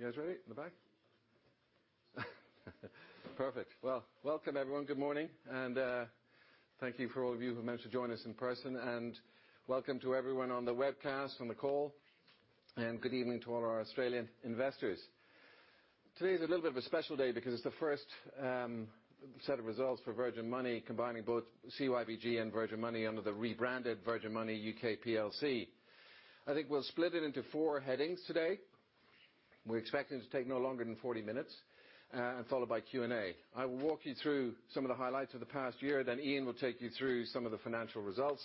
You guys ready in the back? Perfect. Well, welcome everyone. Good morning and thank you for all of you who managed to join us in person, and welcome to everyone on the webcast, on the call. Good evening to all our Australian investors. Today is a little bit of a special day because it's the first set of results for Virgin Money, combining both CYBG and Virgin Money under the rebranded Virgin Money UK PLC. I think we'll split it into four headings today. We're expecting it to take no longer than 40 minutes, and followed by Q&A. I will walk you through some of the highlights of the past year. Ian will take you through some of the financial results.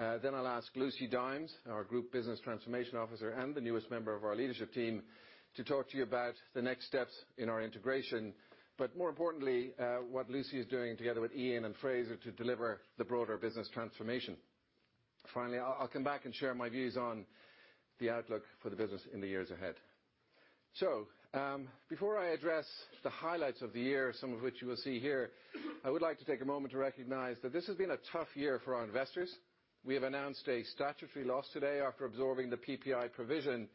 I'll ask Lucy Dimes, our Group Business Transformation Officer and the newest member of our leadership team, to talk to you about the next steps in our integration. More importantly, what Lucy is doing together with Ian and Fraser to deliver the broader business transformation. Finally, I'll come back and share my views on the outlook for the business in the years ahead. Before I address the highlights of the year, some of which you will see here, I would like to take a moment to recognize that this has been a tough year for our investors. We have announced a statutory loss today after absorbing the PPI provision,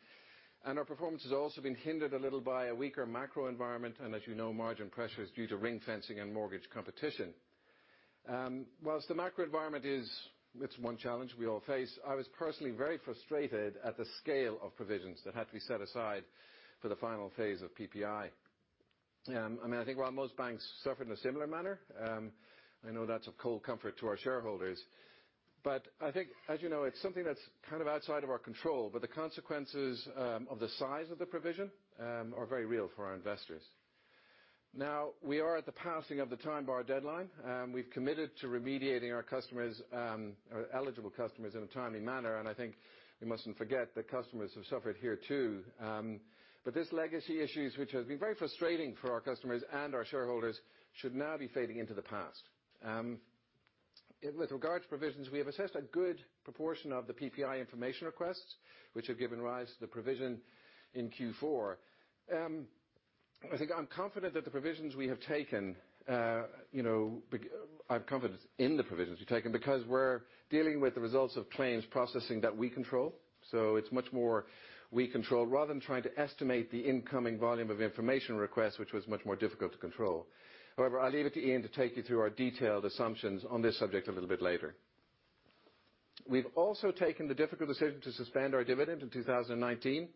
and our performance has also been hindered a little by a weaker macro environment, and as you know, margin pressures due to ring fencing and mortgage competition. Whilst the macro environment is, it's one challenge we all face, I was personally very frustrated at the scale of provisions that had to be set aside for the final phase of PPI. I think while most banks suffered in a similar manner, I know that's of cold comfort to our shareholders. I think, as you know, it's something that's kind of outside of our control, but the consequences of the size of the provision are very real for our investors. Now, we are at the passing of the time bar deadline. We've committed to remediating our eligible customers in a timely manner, and I think we mustn't forget that customers have suffered here too. This legacy issue, which has been very frustrating for our customers and our shareholders, should now be fading into the past. With regard to provisions, we have assessed a good proportion of the PPI information requests, which have given rise to the provision in Q4. I think I'm confident that the provisions we have taken, I have confidence in the provisions we've taken because we're dealing with the results of claims processing that we control. It's much more we control rather than trying to estimate the incoming volume of information requests, which was much more difficult to control. However, I'll leave it to Ian to take you through our detailed assumptions on this subject a little bit later. We've also taken the difficult decision to suspend our dividend in 2019.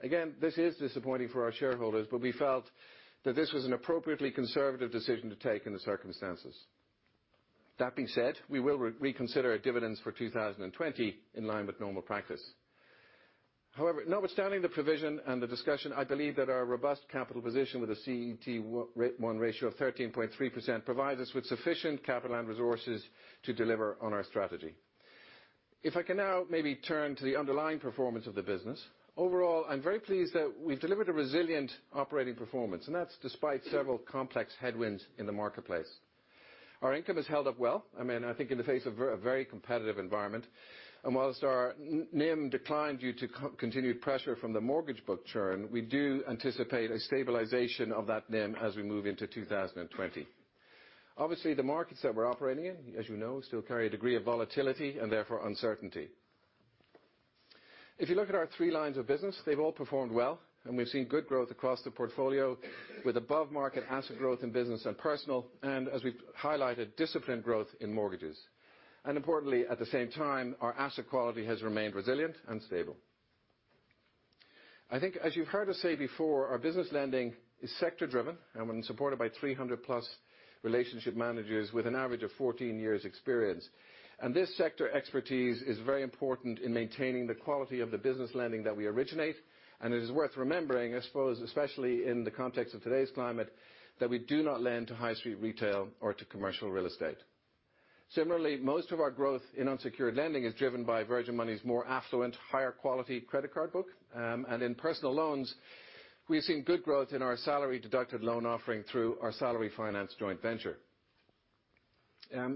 Again, this is disappointing for our shareholders, but we felt that this was an appropriately conservative decision to take in the circumstances. That being said, we will reconsider our dividends for 2020 in line with normal practice. Notwithstanding the provision and the discussion, I believe that our robust capital position with a CET1 ratio of 13.3% provides us with sufficient capital and resources to deliver on our strategy. If I can now maybe turn to the underlying performance of the business. Overall, I'm very pleased that we've delivered a resilient operating performance, that's despite several complex headwinds in the marketplace. Our income has held up well, I think in the face of a very competitive environment. Whilst our NIM declined due to continued pressure from the mortgage book churn, we do anticipate a stabilization of that NIM as we move into 2020. Obviously, the markets that we're operating in, as you know, still carry a degree of volatility and therefore uncertainty. If you look at our three lines of business, they've all performed well, and we've seen good growth across the portfolio with above-market asset growth in business and personal, and as we've highlighted, disciplined growth in mortgages. Importantly, at the same time, our asset quality has remained resilient and stable. I think as you've heard us say before, our business lending is sector driven and supported by 300-plus relationship managers with an average of 14 years' experience. This sector expertise is very important in maintaining the quality of the business lending that we originate. It is worth remembering, I suppose, especially in the context of today's climate, that we do not lend to high street retail or to commercial real estate. Similarly, most of our growth in unsecured lending is driven by Virgin Money's more affluent, higher quality credit card book. In personal loans, we've seen good growth in our Salary Finance joint venture.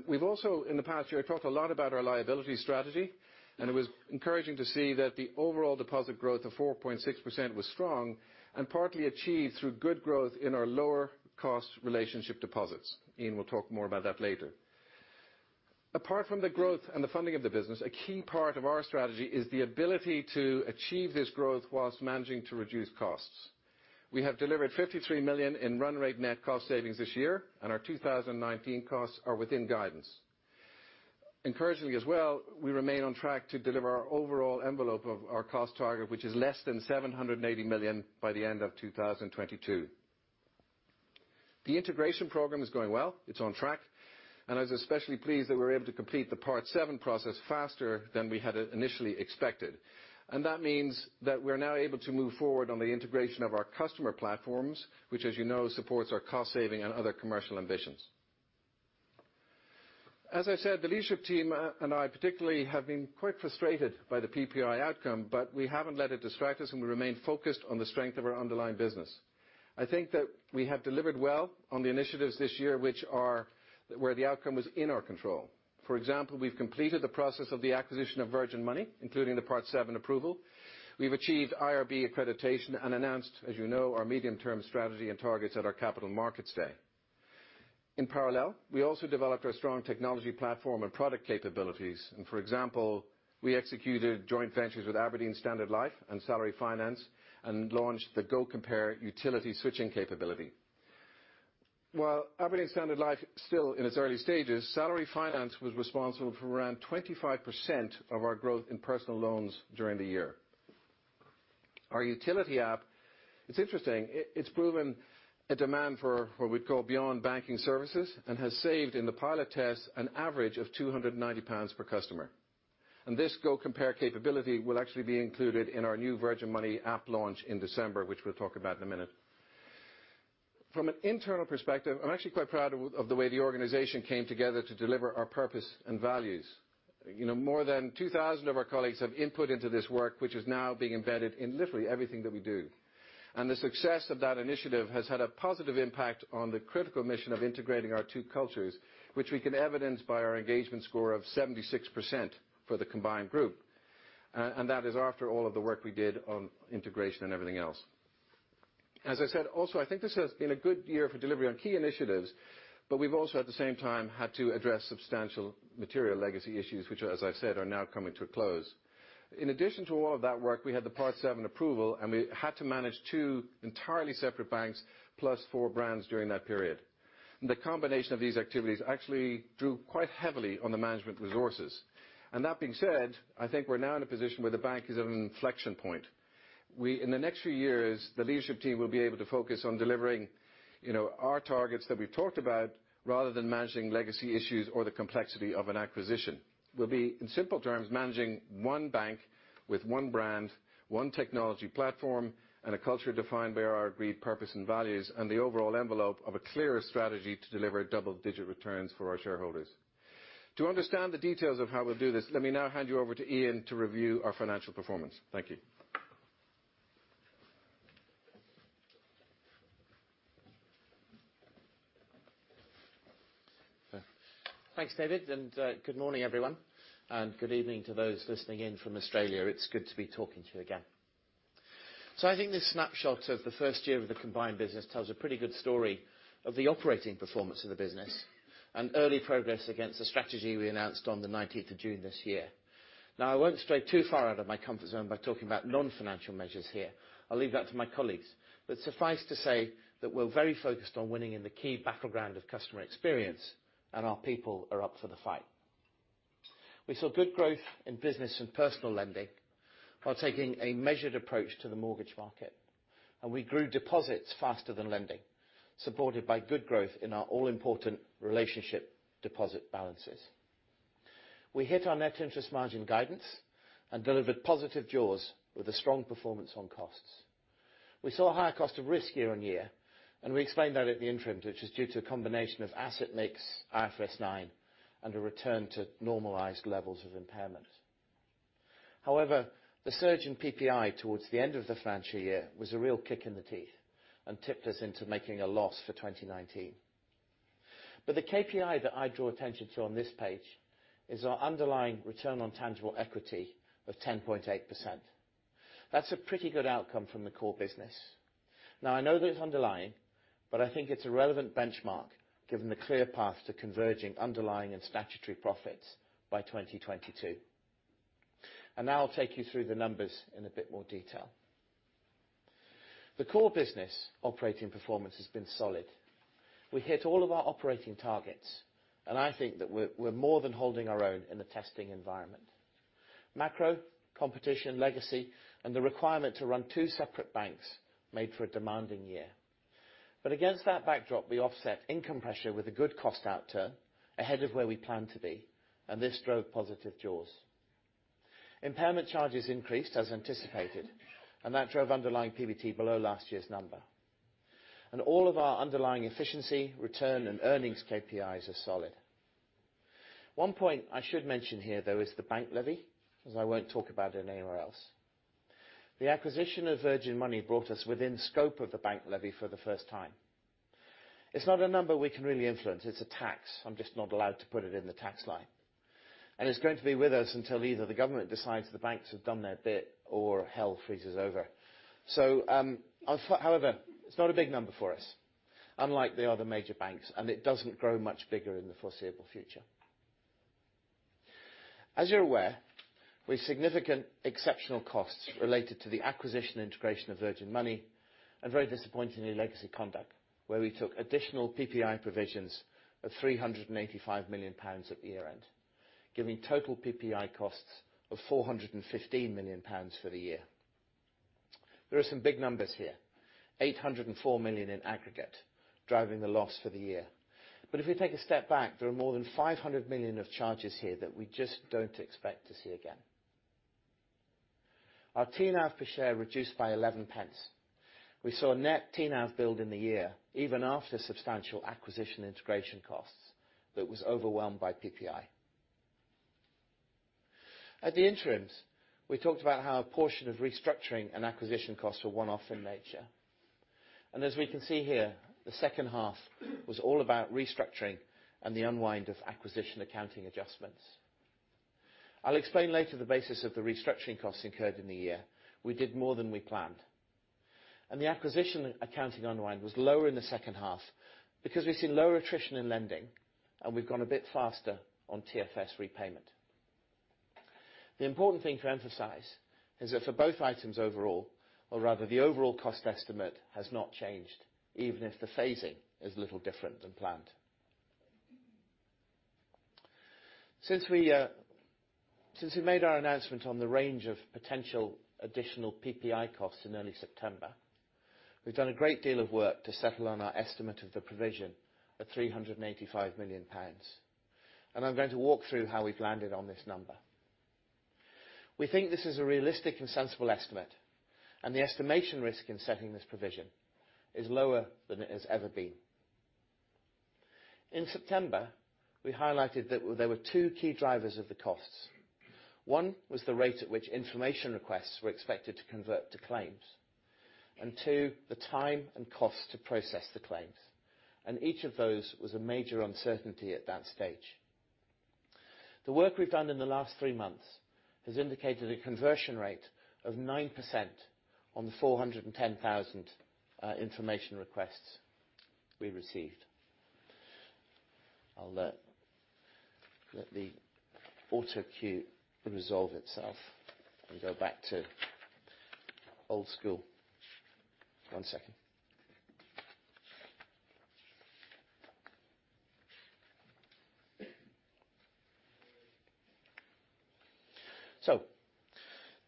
We've also, in the past year, talked a lot about our liability strategy, and it was encouraging to see that the overall deposit growth of 4.6% was strong and partly achieved through good growth in our lower cost relationship deposits. Ian will talk more about that later. Apart from the growth and the funding of the business, a key part of our strategy is the ability to achieve this growth whilst managing to reduce costs. We have delivered 53 million in run rate net cost savings this year, and our 2019 costs are within guidance. Encouragingly as well, we remain on track to deliver our overall envelope of our cost target, which is less than 780 million by the end of 2022. The integration program is going well. It's on track. I was especially pleased that we were able to complete the Part VII process faster than we had initially expected. That means that we're now able to move forward on the integration of our customer platforms, which as you know, supports our cost saving and other commercial ambitions. As I said, the leadership team and I particularly have been quite frustrated by the PPI outcome, but we haven't let it distract us, and we remain focused on the strength of our underlying business. I think that we have delivered well on the initiatives this year where the outcome was in our control. For example, we've completed the process of the acquisition of Virgin Money, including the Part VII approval. We've achieved IRB accreditation and announced, as you know, our medium-term strategy and targets at our Capital Markets Day. In parallel, we also developed our strong technology platform and product capabilities. For example, we executed joint ventures with Standard Life Aberdeen and Salary Finance and launched the GoCompare utility switching capability. While Standard Life Aberdeen still in its early stages, Salary Finance was responsible for around 25% of our growth in personal loans during the year. Our utility app, it's interesting, it's proven a demand for what we'd call beyond banking services, and has saved, in the pilot test, an average of £290 per customer. This GoCompare capability will actually be included in our new Virgin Money app launch in December, which we'll talk about in a minute. From an internal perspective, I'm actually quite proud of the way the organization came together to deliver our purpose and values. More than 2,000 of our colleagues have input into this work, which is now being embedded in literally everything that we do. The success of that initiative has had a positive impact on the critical mission of integrating our two cultures, which we can evidence by our engagement score of 76% for the combined group. That is after all of the work we did on integration and everything else. As I said, also, I think this has been a good year for delivery on key initiatives, but we've also at the same time had to address substantial material legacy issues, which, as I've said, are now coming to a close. In addition to all of that work, we had the Part VII approval, and we had to manage two entirely separate banks plus four brands during that period. The combination of these activities actually drew quite heavily on the management resources. That being said, I think we're now in a position where the bank is at an inflection point. In the next few years, the leadership team will be able to focus on delivering our targets that we've talked about, rather than managing legacy issues or the complexity of an acquisition. We'll be, in simple terms, managing one bank with one brand, one technology platform, and a culture defined by our agreed purpose and values, and the overall envelope of a clearer strategy to deliver double-digit returns for our shareholders. To understand the details of how we'll do this, let me now hand you over to Ian to review our financial performance. Thank you. Thanks, David. Good morning, everyone. Good evening to those listening in from Australia. It's good to be talking to you again. I think this snapshot of the first year of the combined business tells a pretty good story of the operating performance of the business and early progress against the strategy we announced on the 19th of June this year. Now, I won't stray too far out of my comfort zone by talking about non-financial measures here. I'll leave that to my colleagues. Suffice to say that we're very focused on winning in the key battleground of customer experience, and our people are up for the fight. We saw good growth in business and personal lending while taking a measured approach to the mortgage market. We grew deposits faster than lending, supported by good growth in our all important relationship deposit balances. We hit our net interest margin guidance and delivered positive jaws with a strong performance on costs. We saw a higher cost of risk year-on-year, and we explained that at the interim, which is due to a combination of asset mix, IFRS 9, and a return to normalized levels of impairment. However, the surge in PPI towards the end of the financial year was a real kick in the teeth and tipped us into making a loss for 2019. The KPI that I draw attention to on this page is our underlying return on tangible equity of 10.8%. That's a pretty good outcome from the core business. Now, I know that it's underlying, but I think it's a relevant benchmark given the clear path to converging underlying and statutory profits by 2022. Now I'll take you through the numbers in a bit more detail. The core business operating performance has been solid. We hit all of our operating targets. I think that we're more than holding our own in the testing environment. Macro, competition, legacy, and the requirement to run two separate banks made for a demanding year. Against that backdrop, we offset income pressure with a good cost outturn ahead of where we plan to be, and this drove positive jaws. Impairment charges increased as anticipated, and that drove underlying PBT below last year's number. All of our underlying efficiency, return, and earnings KPIs are solid. One point I should mention here, though, is the bank levy, as I won't talk about it anywhere else. The acquisition of Virgin Money brought us within scope of the bank levy for the first time. It's not a number we can really influence. It's a tax. I'm just not allowed to put it in the tax line. It's going to be with us until either the government decides the banks have done their bit or hell freezes over. However, it's not a big number for us, unlike the other major banks, and it doesn't grow much bigger in the foreseeable future. As you're aware, with significant exceptional costs related to the acquisition integration of Virgin Money and very disappointingly, legacy conduct, where we took additional PPI provisions of 385 million pounds at year-end, giving total PPI costs of 415 million pounds for the year. There are some big numbers here, 804 million in aggregate, driving the loss for the year. If we take a step back, there are more than 500 million of charges here that we just don't expect to see again. Our TNAV per share reduced by 0.11. We saw a net TNAV build in the year, even after substantial acquisition integration costs that was overwhelmed by PPI. At the interim, we talked about how a portion of restructuring and acquisition costs were one-off in nature. As we can see here, the second half was all about restructuring and the unwind of acquisition accounting adjustments. I'll explain later the basis of the restructuring costs incurred in the year. We did more than we planned. The acquisition accounting unwind was lower in the second half because we've seen lower attrition in lending, and we've gone a bit faster on TFS repayment. The important thing to emphasize is that for both items overall, or rather the overall cost estimate, has not changed, even if the phasing is a little different than planned. Since we made our announcement on the range of potential additional PPI costs in early September, we've done a great deal of work to settle on our estimate of the provision of 385 million pounds. I'm going to walk through how we've landed on this number. We think this is a realistic and sensible estimate, and the estimation risk in setting this provision is lower than it has ever been. In September, we highlighted that there were two key drivers of the costs. One, was the rate at which information requests were expected to convert to claims. Two, the time and cost to process the claims. Each of those was a major uncertainty at that stage. The work we've done in the last three months has indicated a conversion rate of 9% on the 410,000 information requests we received. I'll let the autocue resolve itself and go back to old school. One second.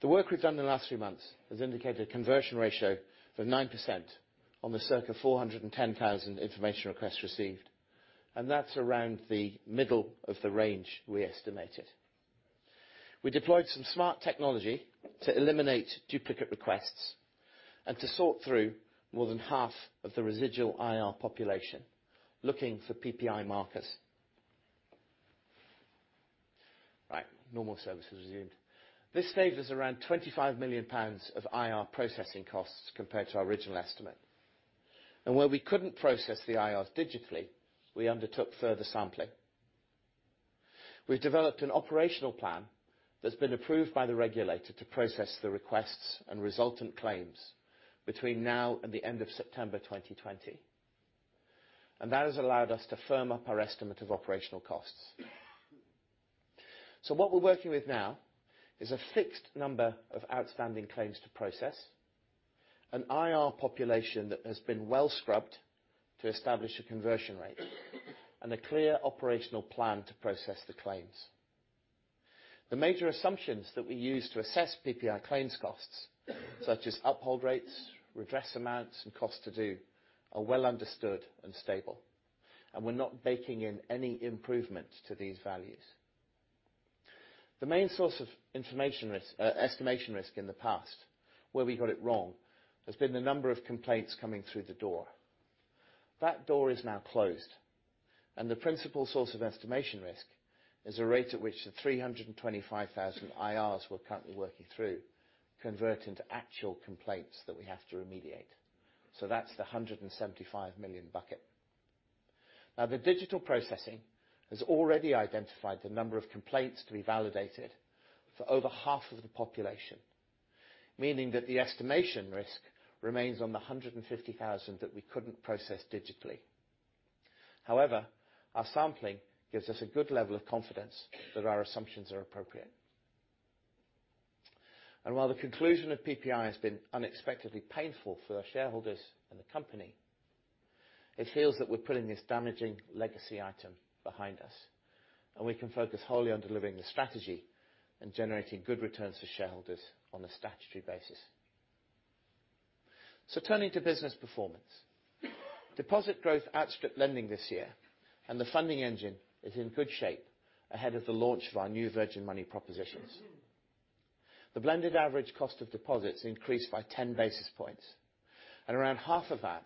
The work we've done in the last three months has indicated a conversion ratio of 9% on the circa 410,000 information requests received, and that's around the middle of the range we estimated. We deployed some smart technology to eliminate duplicate requests and to sort through more than half of the residual IR population, looking for PPI markers. Right. Normal service is resumed. This saved us around 25 million pounds of IR processing costs compared to our original estimate. Where we couldn't process the IRs digitally, we undertook further sampling. We've developed an operational plan that's been approved by the regulator to process the requests and resultant claims between now and the end of September 2020. That has allowed us to firm up our estimate of operational costs. What we're working with now is a fixed number of outstanding claims to process, an IR population that has been well-scrubbed to establish a conversion rate, and a clear operational plan to process the claims. The major assumptions that we use to assess PPI claims costs, such as uphold rates, redress amounts, and costs to do, are well understood and stable. We're not baking in any improvement to these values. The main source of estimation risk in the past, where we got it wrong, has been the number of complaints coming through the door. That door is now closed, and the principal source of estimation risk is a rate at which the 325,000 IRs we're currently working through convert into actual complaints that we have to remediate. That's the 175 million bucket. The digital processing has already identified the number of complaints to be validated for over half of the population, meaning that the estimation risk remains on the 150,000 that we couldn't process digitally. Our sampling gives us a good level of confidence that our assumptions are appropriate. While the conclusion of PPI has been unexpectedly painful for our shareholders and the company, it feels that we're putting this damaging legacy item behind us, and we can focus wholly on delivering the strategy and generating good returns for shareholders on a statutory basis. Turning to business performance. Deposit growth outstripped lending this year, and the funding engine is in good shape ahead of the launch of our new Virgin Money propositions. The blended average cost of deposits increased by 10 basis points, around half of that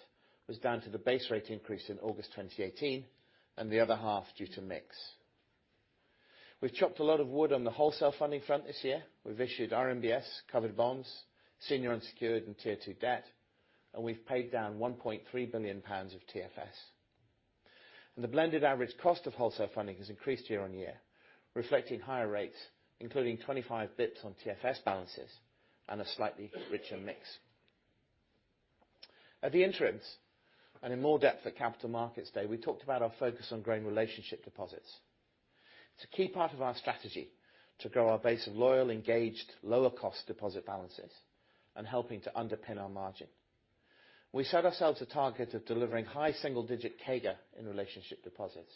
was down to the base rate increase in August 2018, and the other half due to mix. We've chopped a lot of wood on the wholesale funding front this year. We've issued RMBS covered bonds, senior unsecured, and Tier 2 debt, and we've paid down 1.3 billion pounds of TFS. The blended average cost of wholesale funding has increased year on year, reflecting higher rates, including 25 basis points on TFS balances, and a slightly richer mix. At the interim, and in more depth at Capital Markets Day, we talked about our focus on growing relationship deposits. It's a key part of our strategy to grow our base of loyal, engaged, lower cost deposit balances and helping to underpin our margin. We set ourselves a target of delivering high single digit CAGR in relationship deposits.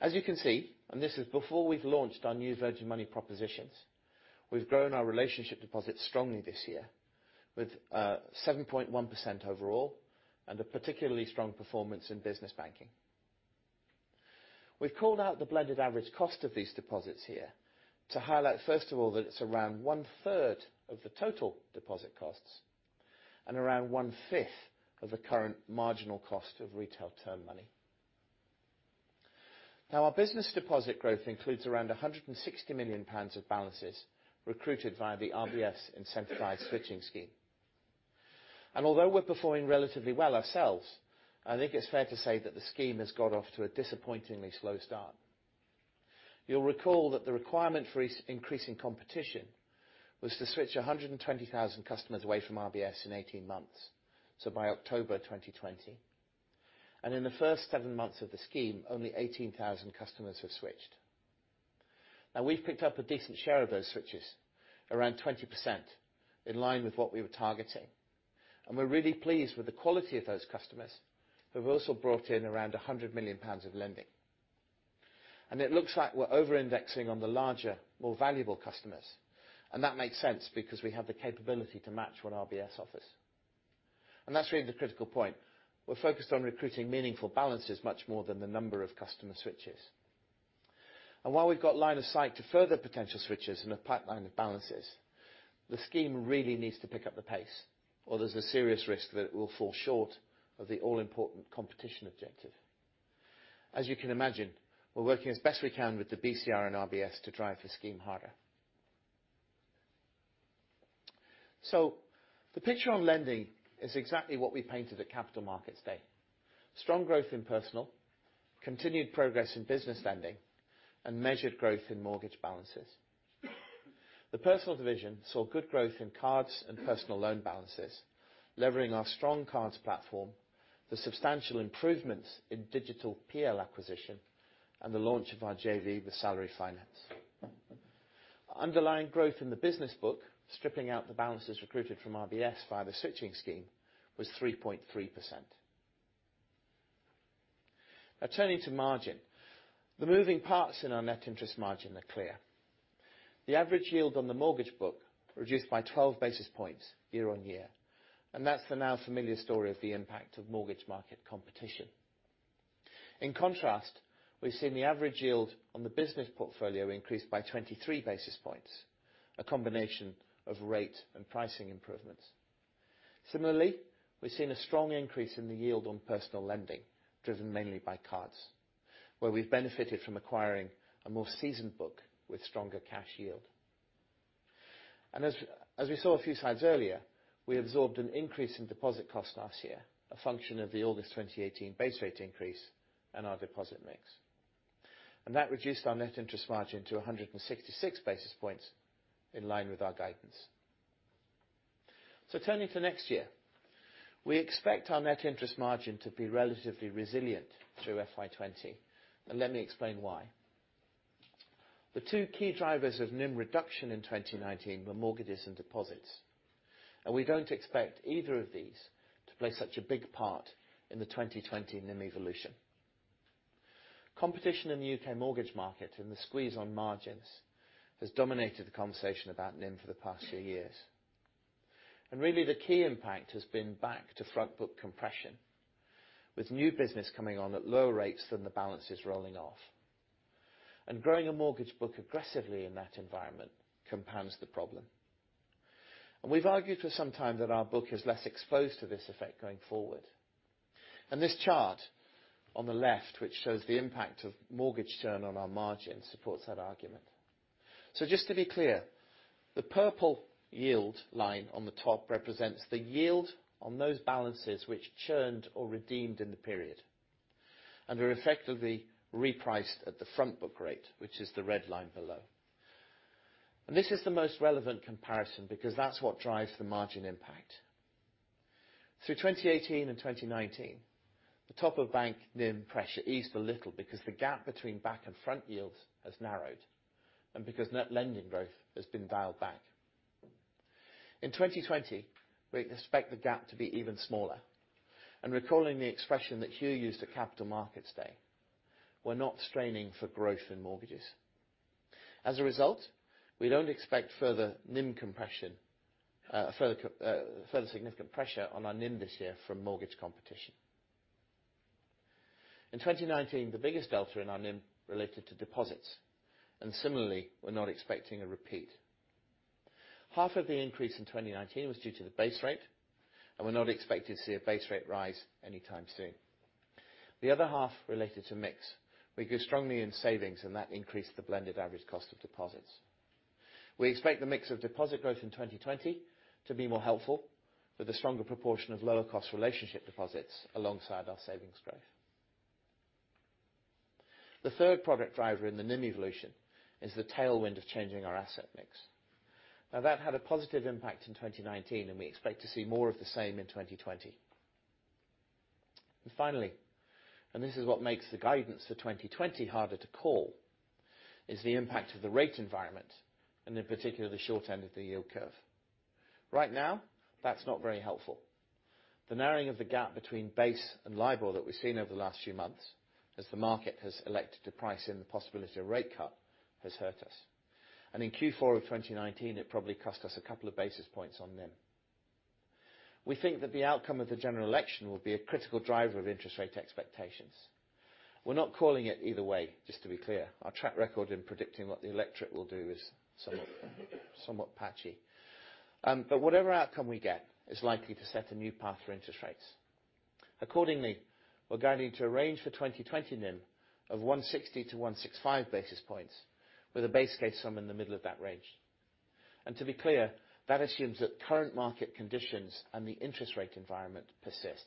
As you can see, this is before we've launched our new Virgin Money propositions, we've grown our relationship deposits strongly this year with 7.1% overall and a particularly strong performance in business banking. We've called out the blended average cost of these deposits here to highlight, first of all, that it's around one-third of the total deposit costs and around one-fifth of the current marginal cost of retail term money. Our business deposit growth includes around 160 million pounds of balances recruited via the RBS Incentivized Switching Scheme. Although we're performing relatively well ourselves, I think it's fair to say that the scheme has got off to a disappointingly slow start. You'll recall that the requirement for increasing competition was to switch 120,000 customers away from RBS in 18 months, so by October 2020. In the first seven months of the scheme, only 18,000 customers have switched. Now, we've picked up a decent share of those switches, around 20%, in line with what we were targeting. We're really pleased with the quality of those customers, who have also brought in around 100 million pounds of lending. It looks like we're over-indexing on the larger, more valuable customers, and that makes sense because we have the capability to match what RBS offers. That's really the critical point. We're focused on recruiting meaningful balances much more than the number of customer switches. While we've got line of sight to further potential switches and a pipeline of balances, the scheme really needs to pick up the pace, or there's a serious risk that it will fall short of the all-important competition objective. As you can imagine, we're working as best we can with the BCR and RBS to drive the scheme harder. The picture on lending is exactly what we painted at Capital Markets Day. Strong growth in personal, continued progress in business lending, and measured growth in mortgage balances. The personal division saw good growth in cards and personal loan balances, levering our strong cards platform, the substantial improvements in digital PL acquisition, and the launch of our JV with Salary Finance. Underlying growth in the business book, stripping out the balances recruited from RBS via the switching scheme, was 3.3%. Turning to margin. The moving parts in our net interest margin are clear. The average yield on the mortgage book reduced by 12 basis points year on year, and that's the now familiar story of the impact of mortgage market competition. In contrast, we've seen the average yield on the business portfolio increase by 23 basis points, a combination of rate and pricing improvements. Similarly, we've seen a strong increase in the yield on personal lending, driven mainly by cards, where we've benefited from acquiring a more seasoned book with stronger cash yield. As we saw a few slides earlier, we absorbed an increase in deposit cost last year, a function of the August 2018 base rate increases and our deposit mix. That reduced our net interest margin to 166 basis points, in line with our guidance. Turning to next year. We expect our net interest margin to be relatively resilient through FY 2020 and let me explain why. The two key drivers of NIM reduction in 2019 were mortgages and deposits. We don't expect either of these to play such a big part in the 2020 NIM evolution. Competition in the U.K. mortgage market and the squeeze on margins has dominated the conversation about NIM for the past few years. Really the key impact has been back to front book compression, with new business coming on at lower rates than the balance is rolling off. Growing a mortgage book aggressively in that environment compounds the problem. We've argued for some time that our book is less exposed to this effect going forward. This chart on the left, which shows the impact of mortgage churn on our margin, supports that argument. Just to be clear, the purple yield line on the top represents the yield on those balances which churned or redeemed in the period, and are effectively repriced at the front book rate, which is the red line below. This is the most relevant comparison because that's what drives the margin impact. Through 2018 and 2019, the top of bank NIM pressure eased a little because the gap between back and front yields has narrowed, and because net lending growth has been dialed back. In 2020, we expect the gap to be even smaller. Recalling the expression that Hugh used at Capital Markets Day, we're not straining for growth in mortgages. As a result, we don't expect further significant pressure on our NIM this year from mortgage competition. In 2019, the biggest delta in our NIM related to deposits, and similarly, we're not expecting a repeat. Half of the increase in 2019 was due to the base rate, and we're not expecting to see a base rate rise anytime soon. The other half related to mix. We grew strongly in savings, and that increased the blended average cost of deposits. We expect the mix of deposit growth in 2020 to be more helpful with a stronger proportion of lower cost relationship deposits alongside our savings growth. The third product driver in the NIM evolution is the tailwind of changing our asset mix. That had a positive impact in 2019, and we expect to see more of the same in 2020. Finally, and this is what makes the guidance for 2020 harder to call, is the impact of the rate environment, and in particular the short end of the yield curve. Right now, that's not very helpful. The narrowing of the gap between base and LIBOR that we've seen over the last few months as the market has elected to price in the possibility of a rate cut has hurt us. In Q4 of 2019, it probably cost us a couple of basis points on NIM. We think that the outcome of the general election will be a critical driver of interest rate expectations. We're not calling it either way, just to be clear. Our track record in predicting what the electorate will do is somewhat patchy. Whatever outcome we get is likely to set a new path for interest rates. Accordingly, we're guiding to a range for 2020 NIM of 160-165 basis points with a base case sum in the middle of that range. To be clear, that assumes that current market conditions and the interest rate environment persist.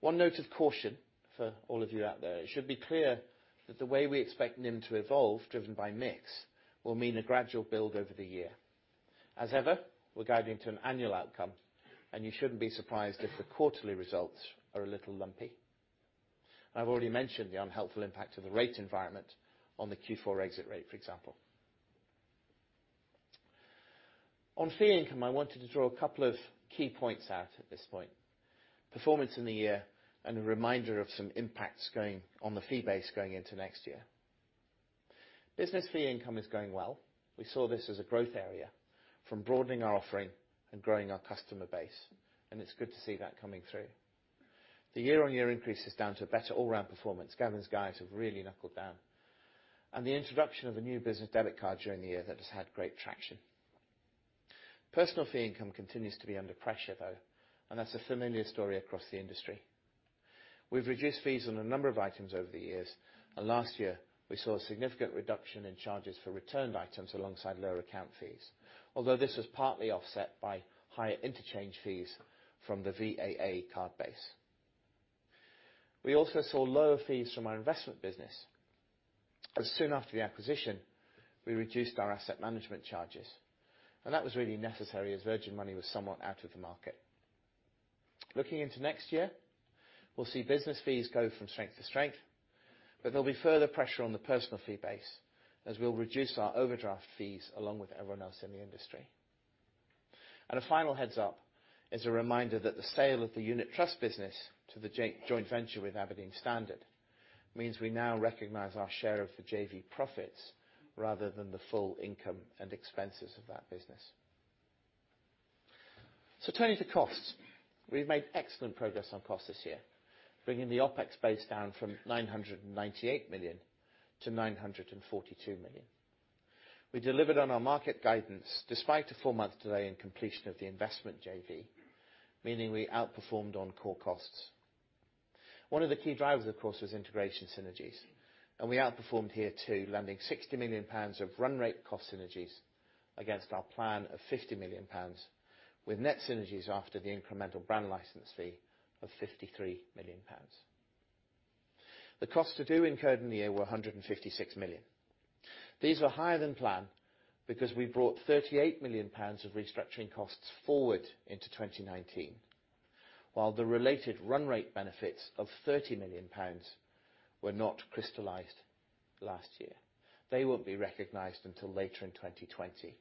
One note of caution for all of you out there, it should be clear that the way we expect NIM to evolve, driven by mix, will mean a gradual build over the year. As ever, we're guiding to an annual outcome, you shouldn't be surprised if the quarterly results are a little lumpy. I've already mentioned the unhelpful impact of the rate environment on the Q4 exit rate, for example. On fee income, I wanted to draw a couple of key points out at this point, performance in the year, and a reminder of some impacts going on the fee base going into next year. business fee income is going well. We saw this as a growth area from broadening our offering and growing our customer base, and it's good to see that coming through. The year-on-year increase is down to a better all-round performance. Gavin's guys have really knuckled down. The introduction of a new business debit card during the year that has had great traction. Personal fee income continues to be under pressure, though, and that's a familiar story across the industry. We've reduced fees on a number of items over the years, and last year we saw a significant reduction in charges for returned items alongside lower account fees, although this was partly offset by higher interchange fees from the VAA card base. We also saw lower fees from our investment business, as soon after the acquisition, we reduced our asset management charges. That was really necessary, as Virgin Money was somewhat out of the market. Looking into next year, we'll see business fees go from strength to strength, but there'll be further pressure on the personal fee base as we'll reduce our overdraft fees along with everyone else in the industry. A final heads up is a reminder that the sale of the unit trust business to the joint venture with Standard Life Aberdeen means we now recognize our share of the JV profits rather than the full income and expenses of that business. Turning to costs. We've made excellent progress on costs this year, bringing the Opex base down from 998 million to 942 million. We delivered on our market guidance despite a 4-month delay in completion of the investment JV, meaning we outperformed on core costs. One of the key drivers, of course, was integration synergies, and we outperformed here too, landing GBP 60 million of run rate cost synergies against our plan of GBP 50 million with net synergies after the incremental brand license fee of GBP 53 million. The costs to do incurred in the year were GBP 156 million. These were higher than planned because we brought GBP 38 million of restructuring costs forward into 2019. While the related run rate benefits of 30 million pounds were not crystallized last year. They won't be recognized until later in 2020.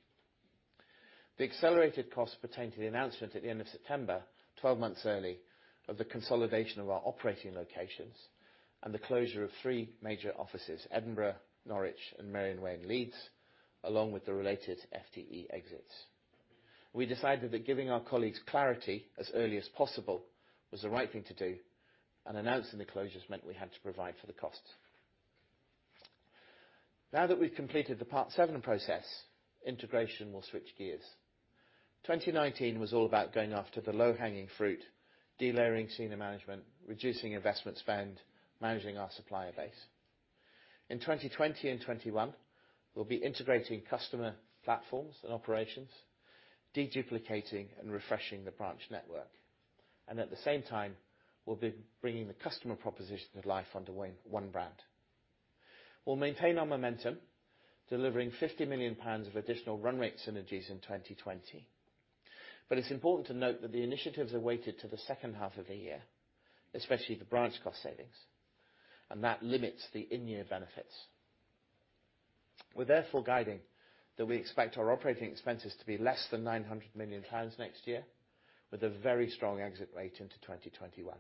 The accelerated costs pertain to the announcement at the end of September, 12 months early, of the consolidation of our operating locations and the closure of three major offices, Edinburgh, Norwich, and Merrion Way in Leeds, along with the related FTE exits. We decided that giving our colleagues clarity as early as possible was the right thing to do, and announcing the closures meant we had to provide for the cost. Now that we've completed the Part VII process, integration will switch gears. 2019 was all about going after the low-hanging fruit, delayering senior management, reducing investment spend, managing our supplier base. In 2020 and 2021, we'll be integrating customer platforms and operations, deduplicating and refreshing the branch network. At the same time, we'll be bringing the customer proposition to life under one brand. We'll maintain our momentum, delivering 50 million pounds of additional run rate synergies in 2020. It's important to note that the initiatives are weighted to the second half of the year, especially the branch cost savings. That limits the in-year benefits. We're therefore guiding that we expect our operating expenses to be less than 900 million pounds next year with a very strong exit rate into 2021.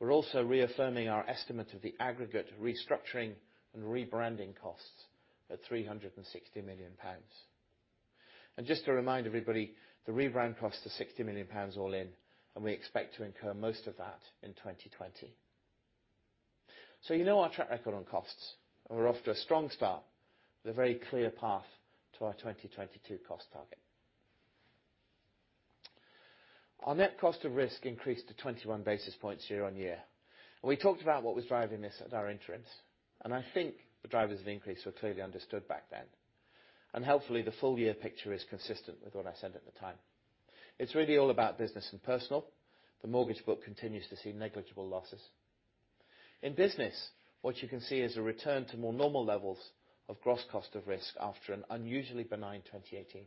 We're also reaffirming our estimate of the aggregate restructuring and rebranding costs at 360 million pounds. Just to remind everybody, the rebrand costs are 60 million pounds all in. We expect to incur most of that in 2020. You know our track record on costs, and we're off to a strong start with a very clear path to our 2022 cost target. Our net cost of risk increased to 21 basis points year-on-year. We talked about what was driving this at our interims, and I think the drivers of increase were clearly understood back then. Hopefully, the full year picture is consistent with what I said at the time. It's really all about business and personal. The mortgage book continues to see negligible losses. In business, what you can see is a return to more normal levels of gross cost of risk after an unusually benign 2018.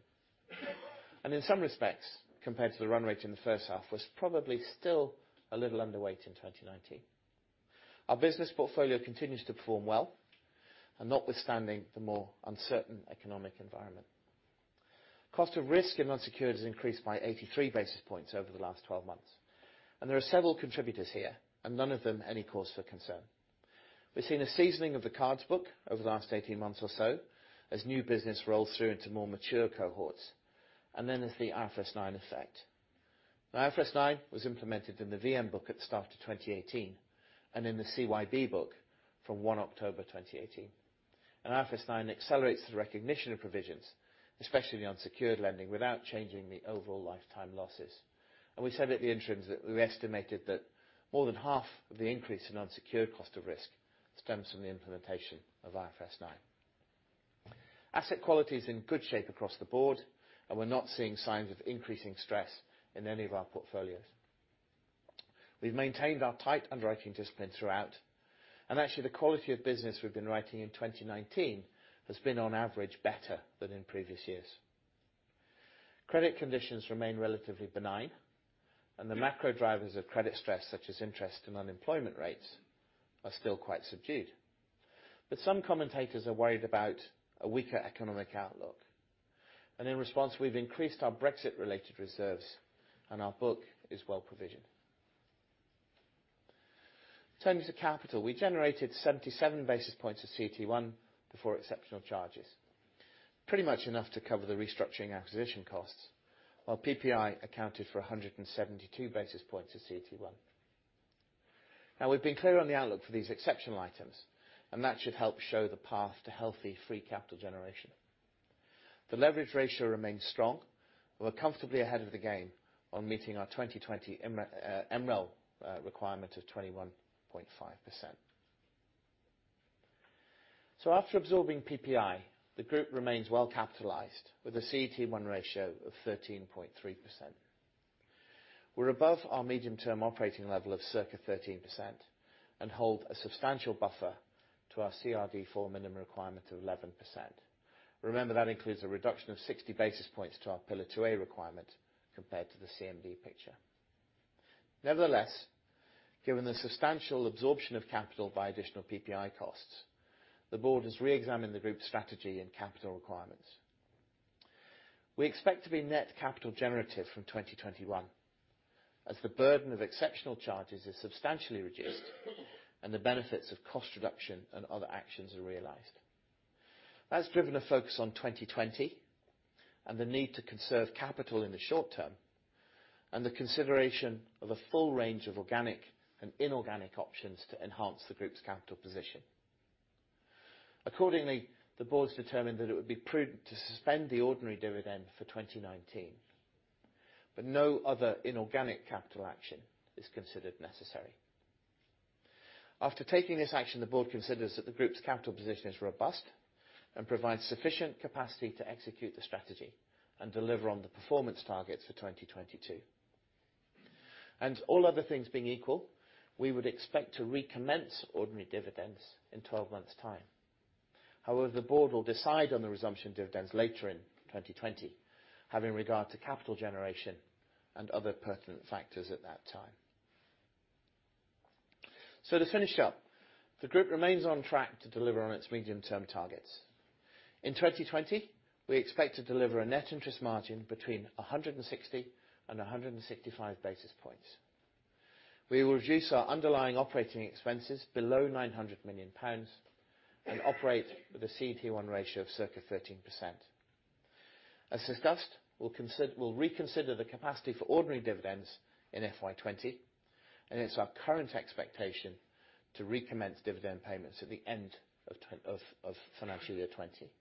In some respects, compared to the run rate in the first half, was probably still a little underweight in 2019. Our business portfolio continues to perform well and notwithstanding the more uncertain economic environment. Cost of risk in unsecured has increased by 83 basis points over the last 12 months. There are several contributors here, and none of them any cause for concern. We've seen a seasoning of the cards book over the last 18 months or so as new business rolls through into more mature cohorts. There's the IFRS 9 effect. IFRS 9 was implemented in the VM book at the start of 2018 and in the CYB book from one October 2018. IFRS 9 accelerates the recognition of provisions, especially the unsecured lending, without changing the overall lifetime losses. We said at the interims that we estimated that more than half of the increase in unsecured cost of risk stems from the implementation of IFRS 9. Asset quality is in good shape across the board, and we're not seeing signs of increasing stress in any of our portfolios. We've maintained our tight underwriting discipline throughout, and actually the quality of business we've been writing in 2019 has been, on average, better than in previous years. Credit conditions remain relatively benign, and the macro drivers of credit stress, such as interest and unemployment rates, are still quite subdued. Some commentators are worried about a weaker economic outlook. In response, we've increased our Brexit related reserves, and our book is well provisioned. Turning to capital, we generated 77 basis points of CET1 before exceptional charges. Pretty much enough to cover the restructuring acquisition costs, while PPI accounted for 172 basis points of CET1. Now we've been clear on the outlook for these exceptional items, and that should help show the path to healthy free capital generation. The leverage ratio remains strong, and we're comfortably ahead of the game on meeting our 2020 MREL requirement of 21.5%. After absorbing PPI, the group remains well capitalized with a CET1 ratio of 13.3%. We're above our medium-term operating level of circa 13% and hold a substantial buffer to our CRD IV minimum requirement of 11%. Remember, that includes a reduction of 60 basis points to our Pillar 2A requirement compared to the CMD picture. Nevertheless, given the substantial absorption of capital by additional PPI costs, the board has reexamined the group's strategy and capital requirements. We expect to be net capital generative from 2021, as the burden of exceptional charges is substantially reduced and the benefits of cost reduction and other actions are realized. That's driven a focus on 2020 and the need to conserve capital in the short term, and the consideration of a full range of organic and inorganic options to enhance the group's capital position. Accordingly, the board's determined that it would be prudent to suspend the ordinary dividend for 2019. No other inorganic capital action is considered necessary. After taking this action, the board considers that the group's capital position is robust and provides sufficient capacity to execute the strategy and deliver on the performance targets for 2022. All other things being equal, we would expect to recommence ordinary dividends in 12 months' time. However, the board will decide on the resumption of dividends later in 2020, having regard to capital generation and other pertinent factors at that time. To finish up, the group remains on track to deliver on its medium-term targets. In 2020, we expect to deliver a net interest margin between 160 and 165 basis points. We will reduce our underlying operating expenses below 900 million pounds and operate with a CET1 ratio of circa 13%. As discussed, we'll reconsider the capacity for ordinary dividends in FY 2020, and it's our current expectation to recommence dividend payments at the end of financial year 2020.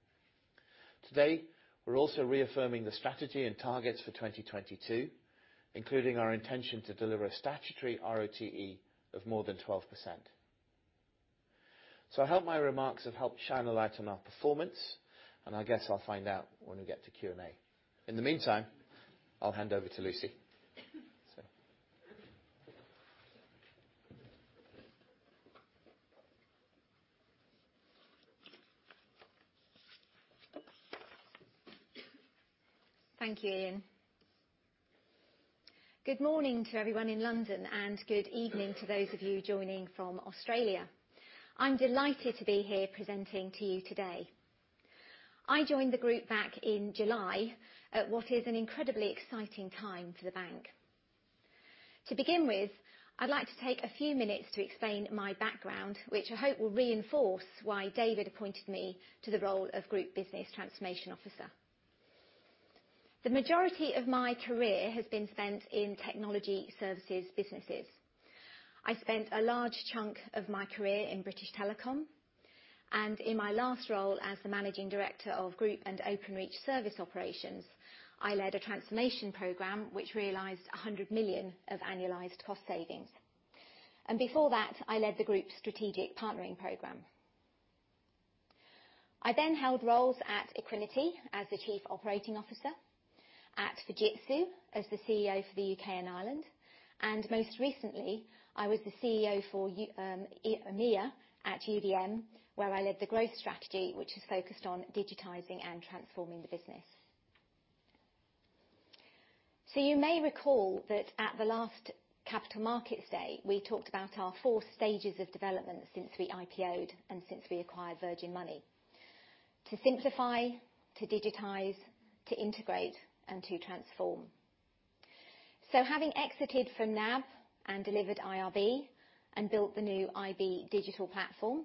Today, we're also reaffirming the strategy and targets for 2022, including our intention to deliver a statutory RoTE of more than 12%. I hope my remarks have helped shine a light on our performance, and I guess I'll find out when we get to Q&A. In the meantime, I'll hand over to Lucy. Thank you, Ian. Good morning to everyone in London, good evening to those of you joining from Australia. I'm delighted to be here presenting to you today. I joined the group back in July at what is an incredibly exciting time for the bank. To begin with, I'd like to take a few minutes to explain my background, which I hope will reinforce why David appointed me to the role of Group Business Transformation Officer. The majority of my career has been spent in technology services businesses. I spent a large chunk of my career in British Telecom, in my last role as the Managing Director of group and Openreach service operations, I led a transformation program which realized 100 million of annualized cost savings. Before that, I led the Group Strategic Partnering Program. I held roles at Equiniti as the chief operating officer, at Fujitsu as the CEO for the U.K. and Ireland, and most recently, I was the CEO for EMEA at TDN, where I led the growth strategy, which is focused on digitizing and transforming the business. You may recall that at the last Capital Markets Day, we talked about our four stages of development since we IPO'd and since we acquired Virgin Money. To simplify, to digitize, to integrate, and to transform. Having exited from NAB and delivered IRB and built the new iB digital platform,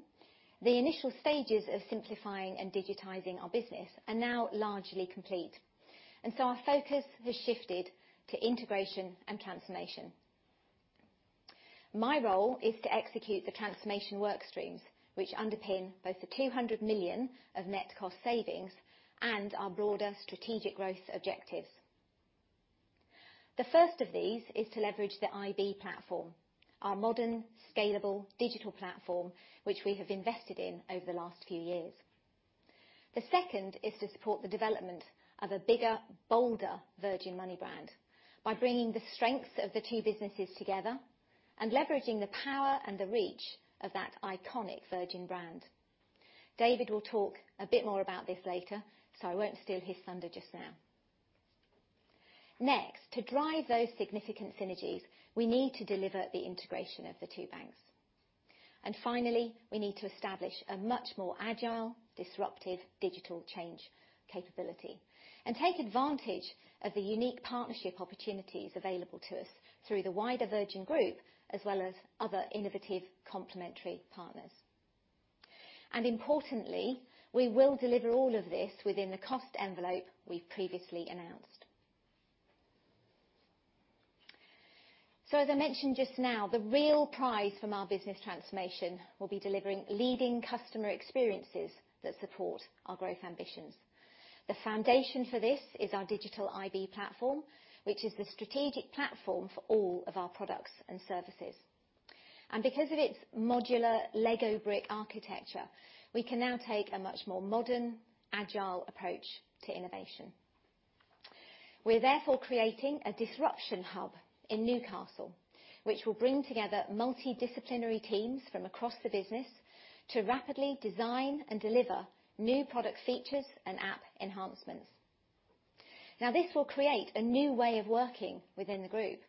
the initial stages of simplifying and digitizing our business are now largely complete. Our focus has shifted to integration and transformation. My role is to execute the transformation work streams, which underpin both the 200 million of net cost savings and our broader strategic growth objectives. The first of these is to leverage the iB platform, our modern, scalable digital platform, which we have invested in over the last few years. The second is to support the development of a bigger, bolder Virgin Money brand by bringing the strengths of the two businesses together and leveraging the power and the reach of that iconic Virgin brand. David will talk a bit more about this later, so I won't steal his thunder just now. Next, to drive those significant synergies, we need to deliver the integration of the two banks. Finally, we need to establish a much more agile, disruptive digital change capability and take advantage of the unique partnership opportunities available to us through the wider Virgin Group, as well as other innovative complementary partners. Importantly, we will deliver all of this within the cost envelope we've previously announced. As I mentioned just now, the real prize from our business transformation will be delivering leading customer experiences that support our growth ambitions. The foundation for this is our digital iB platform, which is the strategic platform for all of our products and services. Because of its modular Lego brick architecture, we can now take a much more modern, agile approach to innovation. We're therefore creating a disruption hub in Newcastle, which will bring together multidisciplinary teams from across the business to rapidly design and deliver new product features and app enhancements. This will create a new way of working within the group,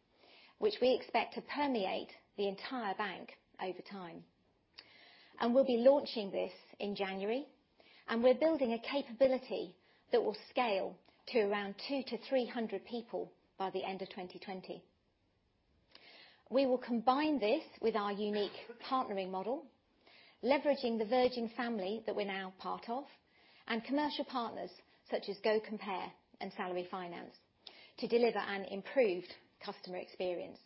which we expect to permeate the entire bank over time. We'll be launching this in January, and we're building a capability that will scale to around 200-300 people by the end of 2020. We will combine this with our unique partnering model, leveraging the Virgin family that we're now part of, and commercial partners such as GoCompare and Salary Finance to deliver an improved customer experience.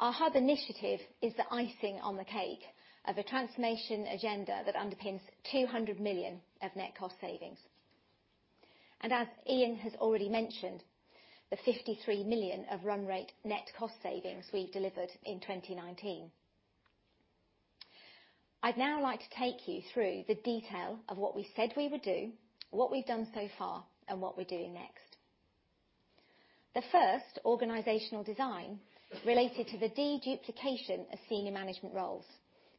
Our hub initiative is the icing on the cake of a transformation agenda that underpins 200 million of net cost savings. As Ian has already mentioned, the 53 million of run rate net cost savings we've delivered in 2019. I'd now like to take you through the detail of what we said we would do, what we've done so far, and what we're doing next. The first, organizational design, related to the de-duplication of senior management roles,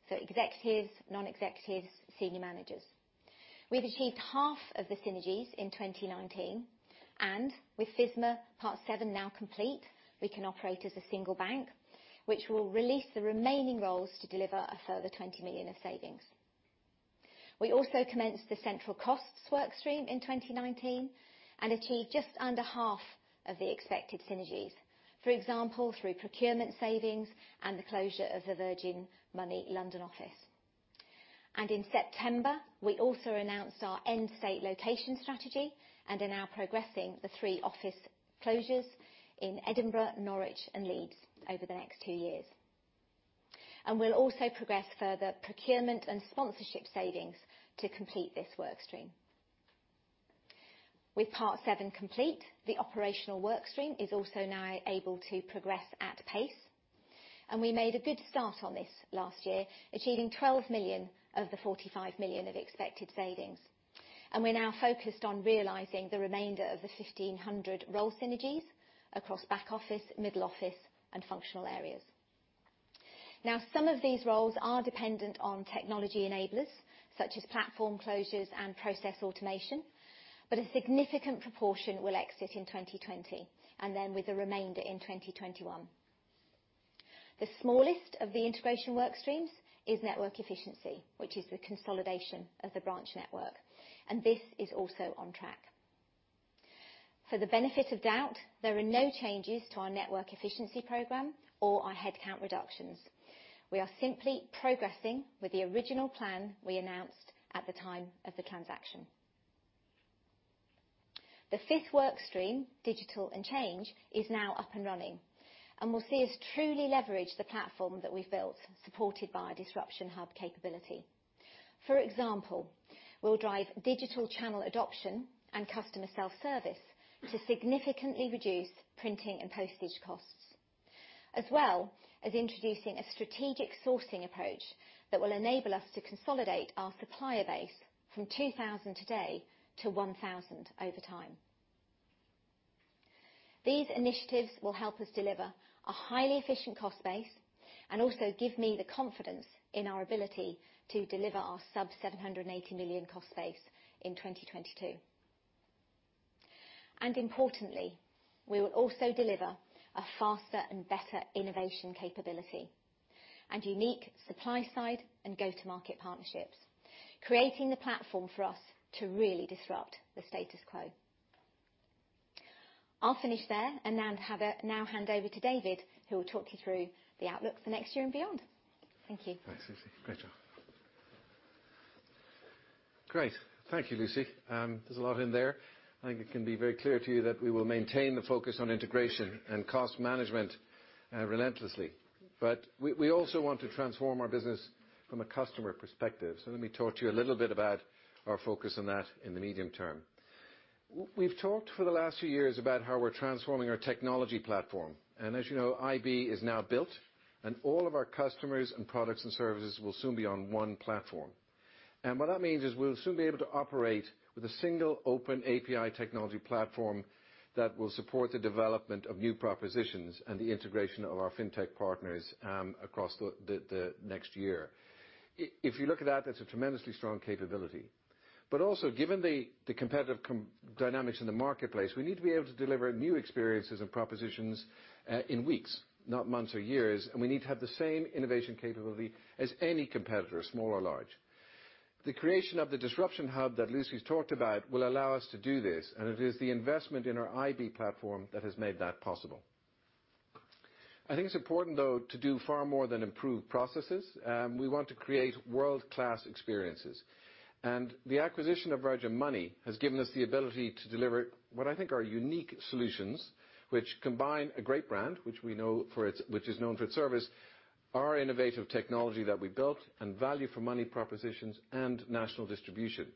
so executives, non-executives, senior managers. We've achieved half of the synergies in 2019, and with FSMA Part VII now complete, we can operate as a single bank, which will release the remaining roles to deliver a further 20 million of savings. We also commenced the central costs work stream in 2019 and achieved just under half of the expected synergies. For example, through procurement savings and the closure of the Virgin Money London office. In September, we also announced our end state location strategy and are now progressing the three office closures in Edinburgh, Norwich, and Leeds over the next two years. We'll also progress further procurement and sponsorship savings to complete this work stream. With Part VII complete, the operational work stream is also now able to progress at pace, and we made a good start on this last year, achieving 12 million of the 45 million of expected savings. We're now focused on realizing the remainder of the 1,500 role synergies across back office, middle office, and functional areas. Some of these roles are dependent on technology enablers, such as platform closures and process automation, but a significant proportion will exit in 2020, and then with the remainder in 2021. The smallest of the integration work streams is network efficiency, which is the consolidation of the branch network, and this is also on track. For the benefit of doubt, there are no changes to our network efficiency program or our headcount reductions. We are simply progressing with the original plan we announced at the time of the transaction. The fifth work stream, digital and change, is now up and running and will see us truly leverage the platform that we've built, supported by our disruption hub capability. For example, we will drive digital channel adoption and customer self-service to significantly reduce printing and postage costs, as well as introducing a strategic sourcing approach that will enable us to consolidate our supplier base from 2,000 today to 1,000 over time. These initiatives will help us deliver a highly efficient cost base and also give me the confidence in our ability to deliver our sub 780 million cost base in 2022. Importantly, we will also deliver a faster and better innovation capability and unique supply side and go to market partnerships, creating the platform for us to really disrupt the status quo. I will finish there and now hand over to David, who will talk you through the outlook for next year and beyond. Thank you. Thanks, Lucy. Great job Great. Thank you, Lucy. There is a lot in there. I think it can be very clear to you that we will maintain the focus on integration and cost management relentlessly. We also want to transform our business from a customer perspective. Let me talk to you a little bit about our focus on that in the medium term. We have talked for the last few years about how we are transforming our technology platform, and as you know, iB is now built and all of our customers and products and services will soon be on one platform. What that means is we will soon be able to operate with a single open API technology platform that will support the development of new propositions and the integration of our fintech partners across the next year. If you look at that is a tremendously strong capability. Also given the competitive dynamics in the marketplace, we need to be able to deliver new experiences and propositions in weeks, not months or years, and we need to have the same innovation capability as any competitor, small or large. The creation of the disruption hub that Lucy's talked about will allow us to do this. It is the investment in our iB platform that has made that possible. I think it's important, though, to do far more than improve processes. We want to create world-class experiences. The acquisition of Virgin Money has given us the ability to deliver what I think are unique solutions, which combine a great brand, which is known for its service, our innovative technology that we built, and value for money propositions and national distribution.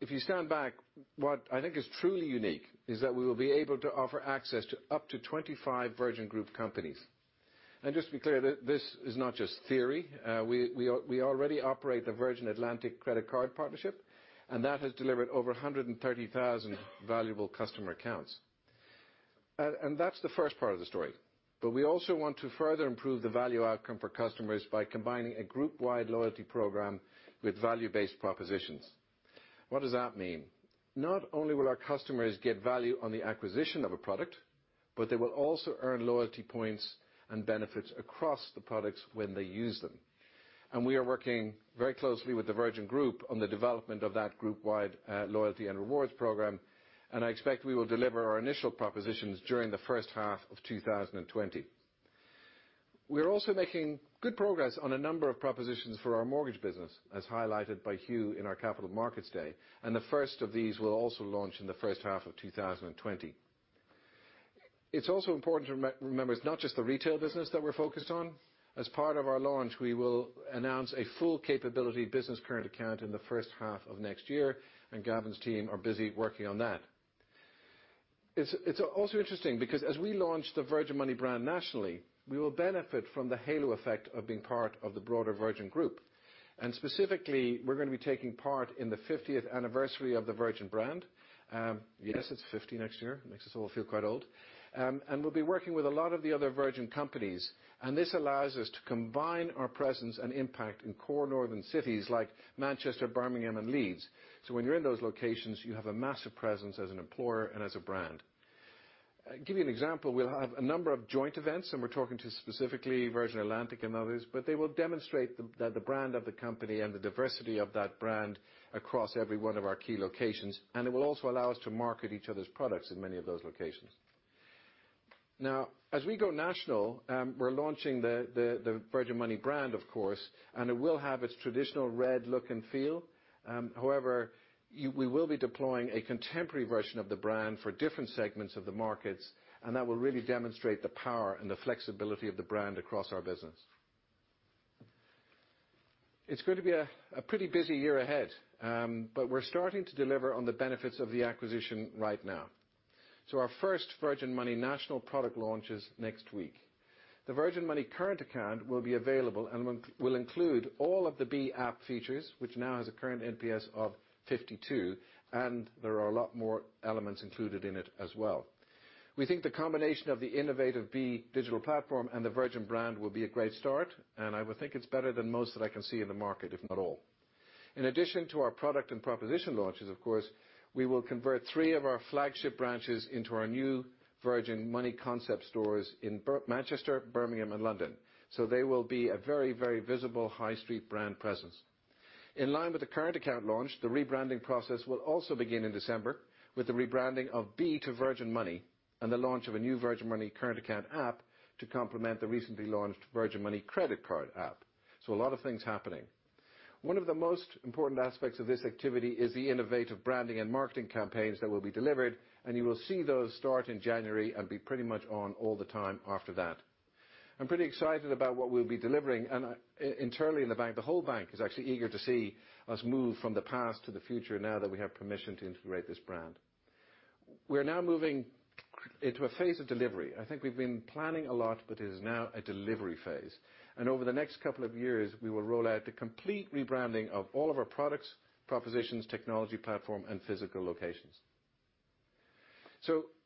If you stand back, what I think is truly unique is that we will be able to offer access to up to 25 Virgin Group companies. Just to be clear, this is not just theory. We already operate the Virgin Atlantic credit card partnership, and that has delivered over 130,000 valuable customer accounts. That's the first part of the story. We also want to further improve the value outcome for customers by combining a group wide loyalty program with value-based propositions. What does that mean? Not only will our customers get value on the acquisition of a product, but they will also earn loyalty points and benefits across the products when they use them. We are working very closely with the Virgin Group on the development of that group-wide loyalty and rewards program, and I expect we will deliver our initial propositions during the first half of 2020. We are also making good progress on a number of propositions for our mortgage business, as highlighted by Hugh in our Capital Markets Day, and the first of these will also launch in the first half of 2020. It's also important to remember it's not just the retail business that we're focused on. As part of our launch, we will announce a full capability business current account in the first half of next year, and Gavin's team are busy working on that. It's also interesting because as we launch the Virgin Money brand nationally, we will benefit from the halo effect of being part of the broader Virgin Group. Specifically, we're going to be taking part in the 50th anniversary of the Virgin brand. Yes, it's 50 next year. Makes us all feel quite old. We'll be working with a lot of the other Virgin companies, and this allows us to combine our presence and impact in core northern cities like Manchester, Birmingham, and Leeds. When you're in those locations, you have a massive presence as an employer and as a brand. Give you an example, we'll have a number of joint events, and we're talking to specifically Virgin Atlantic and others, but they will demonstrate the brand of the company and the diversity of that brand across every one of our key locations, and it will also allow us to market each other's products in many of those locations. As we go national, we're launching the Virgin Money brand, of course, and it will have its traditional red look and feel. However, we will be deploying a contemporary version of the brand for different segments of the markets, and that will really demonstrate the power and the flexibility of the brand across our business. It's going to be a pretty busy year ahead, but we're starting to deliver on the benefits of the acquisition right now. Our first Virgin Money national product launch is next week. The Virgin Money current account will be available and will include all of the B app features, which now has a current NPS of 52, and there are a lot more elements included in it as well. We think the combination of the innovative B digital platform and the Virgin brand will be a great start. I would think it's better than most that I can see in the market, if not all. In addition to our product and proposition launches, of course, we will convert three of our flagship branches into our new Virgin Money concept stores in Manchester, Birmingham, and London. They will be a very visible high street brand presence. In line with the current account launch, the rebranding process will also begin in December with the rebranding of B to Virgin Money and the launch of a new Virgin Money current account app to complement the recently launched Virgin Money credit card app. A lot of things are happening. One of the most important aspects of this activity is the innovative branding and marketing campaigns that will be delivered. You will see those start in January and be pretty much on all the time after that. I'm pretty excited about what we'll be delivering. Internally in the bank, the whole bank is actually eager to see us move from the past to the future now that we have permission to integrate this brand. We're now moving into a phase of delivery. I think we've been planning a lot. It is now a delivery phase. Over the next couple of years, we will roll out the complete rebranding of all of our products, propositions, technology platform, and physical locations.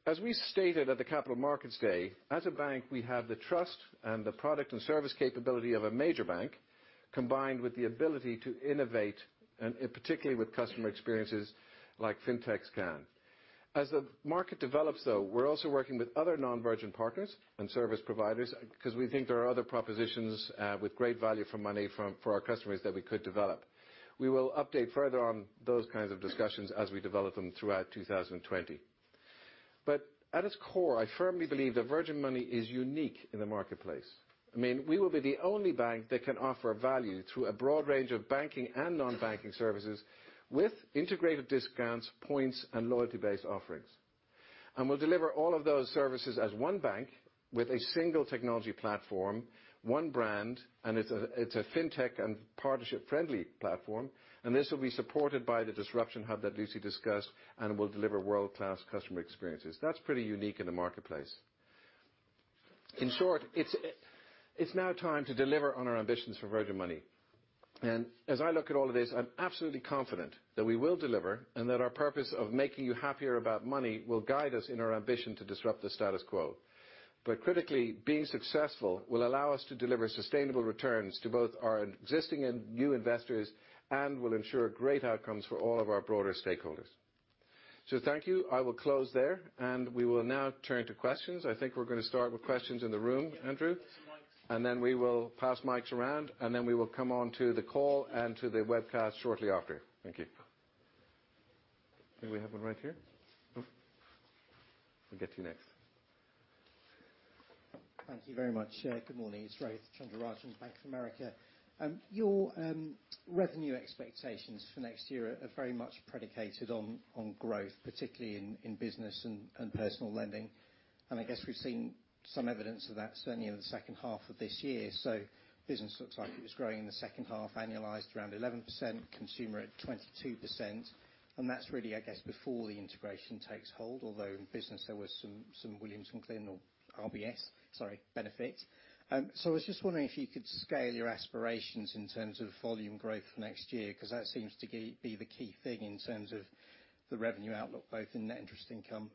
As we stated at the Capital Markets Day, as a bank, we have the trust and the product and service capability of a major bank, combined with the ability to innovate, and particularly with customer experiences like fintechs can. As the market develops, though, we're also working with other non-Virgin partners and service providers because we think there are other propositions with great value for money for our customers that we could develop. We will update further on those kinds of discussions as we develop them throughout 2020. But at its core, I firmly believe that Virgin Money is unique in the marketplace. We will be the only bank that can offer value through a broad range of banking and non-banking services with integrated discounts, points, and loyalty-based offerings. We'll deliver all of those services as one bank with a single technology platform, one brand, and it's a fintech and partnership-friendly platform. This will be supported by the disruption hub that Lucy discussed and will deliver world-class customer experiences. That's pretty unique in the marketplace. In short, it's now time to deliver on our ambitions for Virgin Money. As I look at all of this, I'm absolutely confident that we will deliver and that our purpose of making you happier about money will guide us in our ambition to disrupt the status quo. Critically, being successful will allow us to deliver sustainable returns to both our existing and new investors and will ensure great outcomes for all of our broader stakeholders. Thank you. I will close there, and we will now turn to questions. I think we're going to start with questions in the room. Andrew? Yes. Some mics. Then we will pass mics around, and then we will come onto the call and to the webcast shortly after. Thank you. I think we have one right here. We will get to you next. Thank you very much. Good morning. It's Rohith Chandra-Rajan with Bank of America. Your revenue expectations for next year are very much predicated on growth, particularly in business and personal lending. I guess we've seen some evidence of that certainly in the second half of this year. Business looks like it was growing in the second half, annualized around 11%, consumer at 22%. That's really, I guess, before the integration takes hold, although in business there was some Williams & Glyn or RBS, sorry, benefit. I was just wondering if you could scale your aspirations in terms of volume growth for next year, because that seems to be the key thing in terms of the revenue outlook, both in net interest income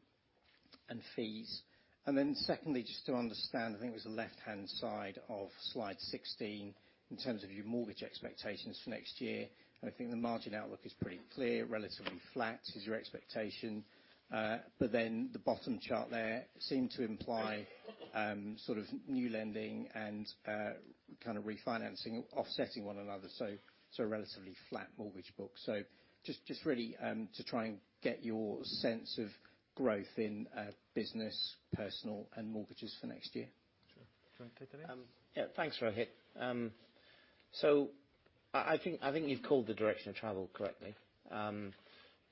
and fees. Secondly, just to understand, I think it was the left-hand side of Slide 16, in terms of your mortgage expectations for next year. I think the margin outlook is pretty clear. Relatively flat is your expectation. The bottom chart there seemed to imply sort of new lending and kind of refinancing offsetting one another. A relatively flat mortgage book. Just really to try and get your sense of growth in business, personal, and mortgages for next year. Sure. Do you want to take that, Ian? Yeah. Thanks, Rohith. I think you've called the direction of travel correctly.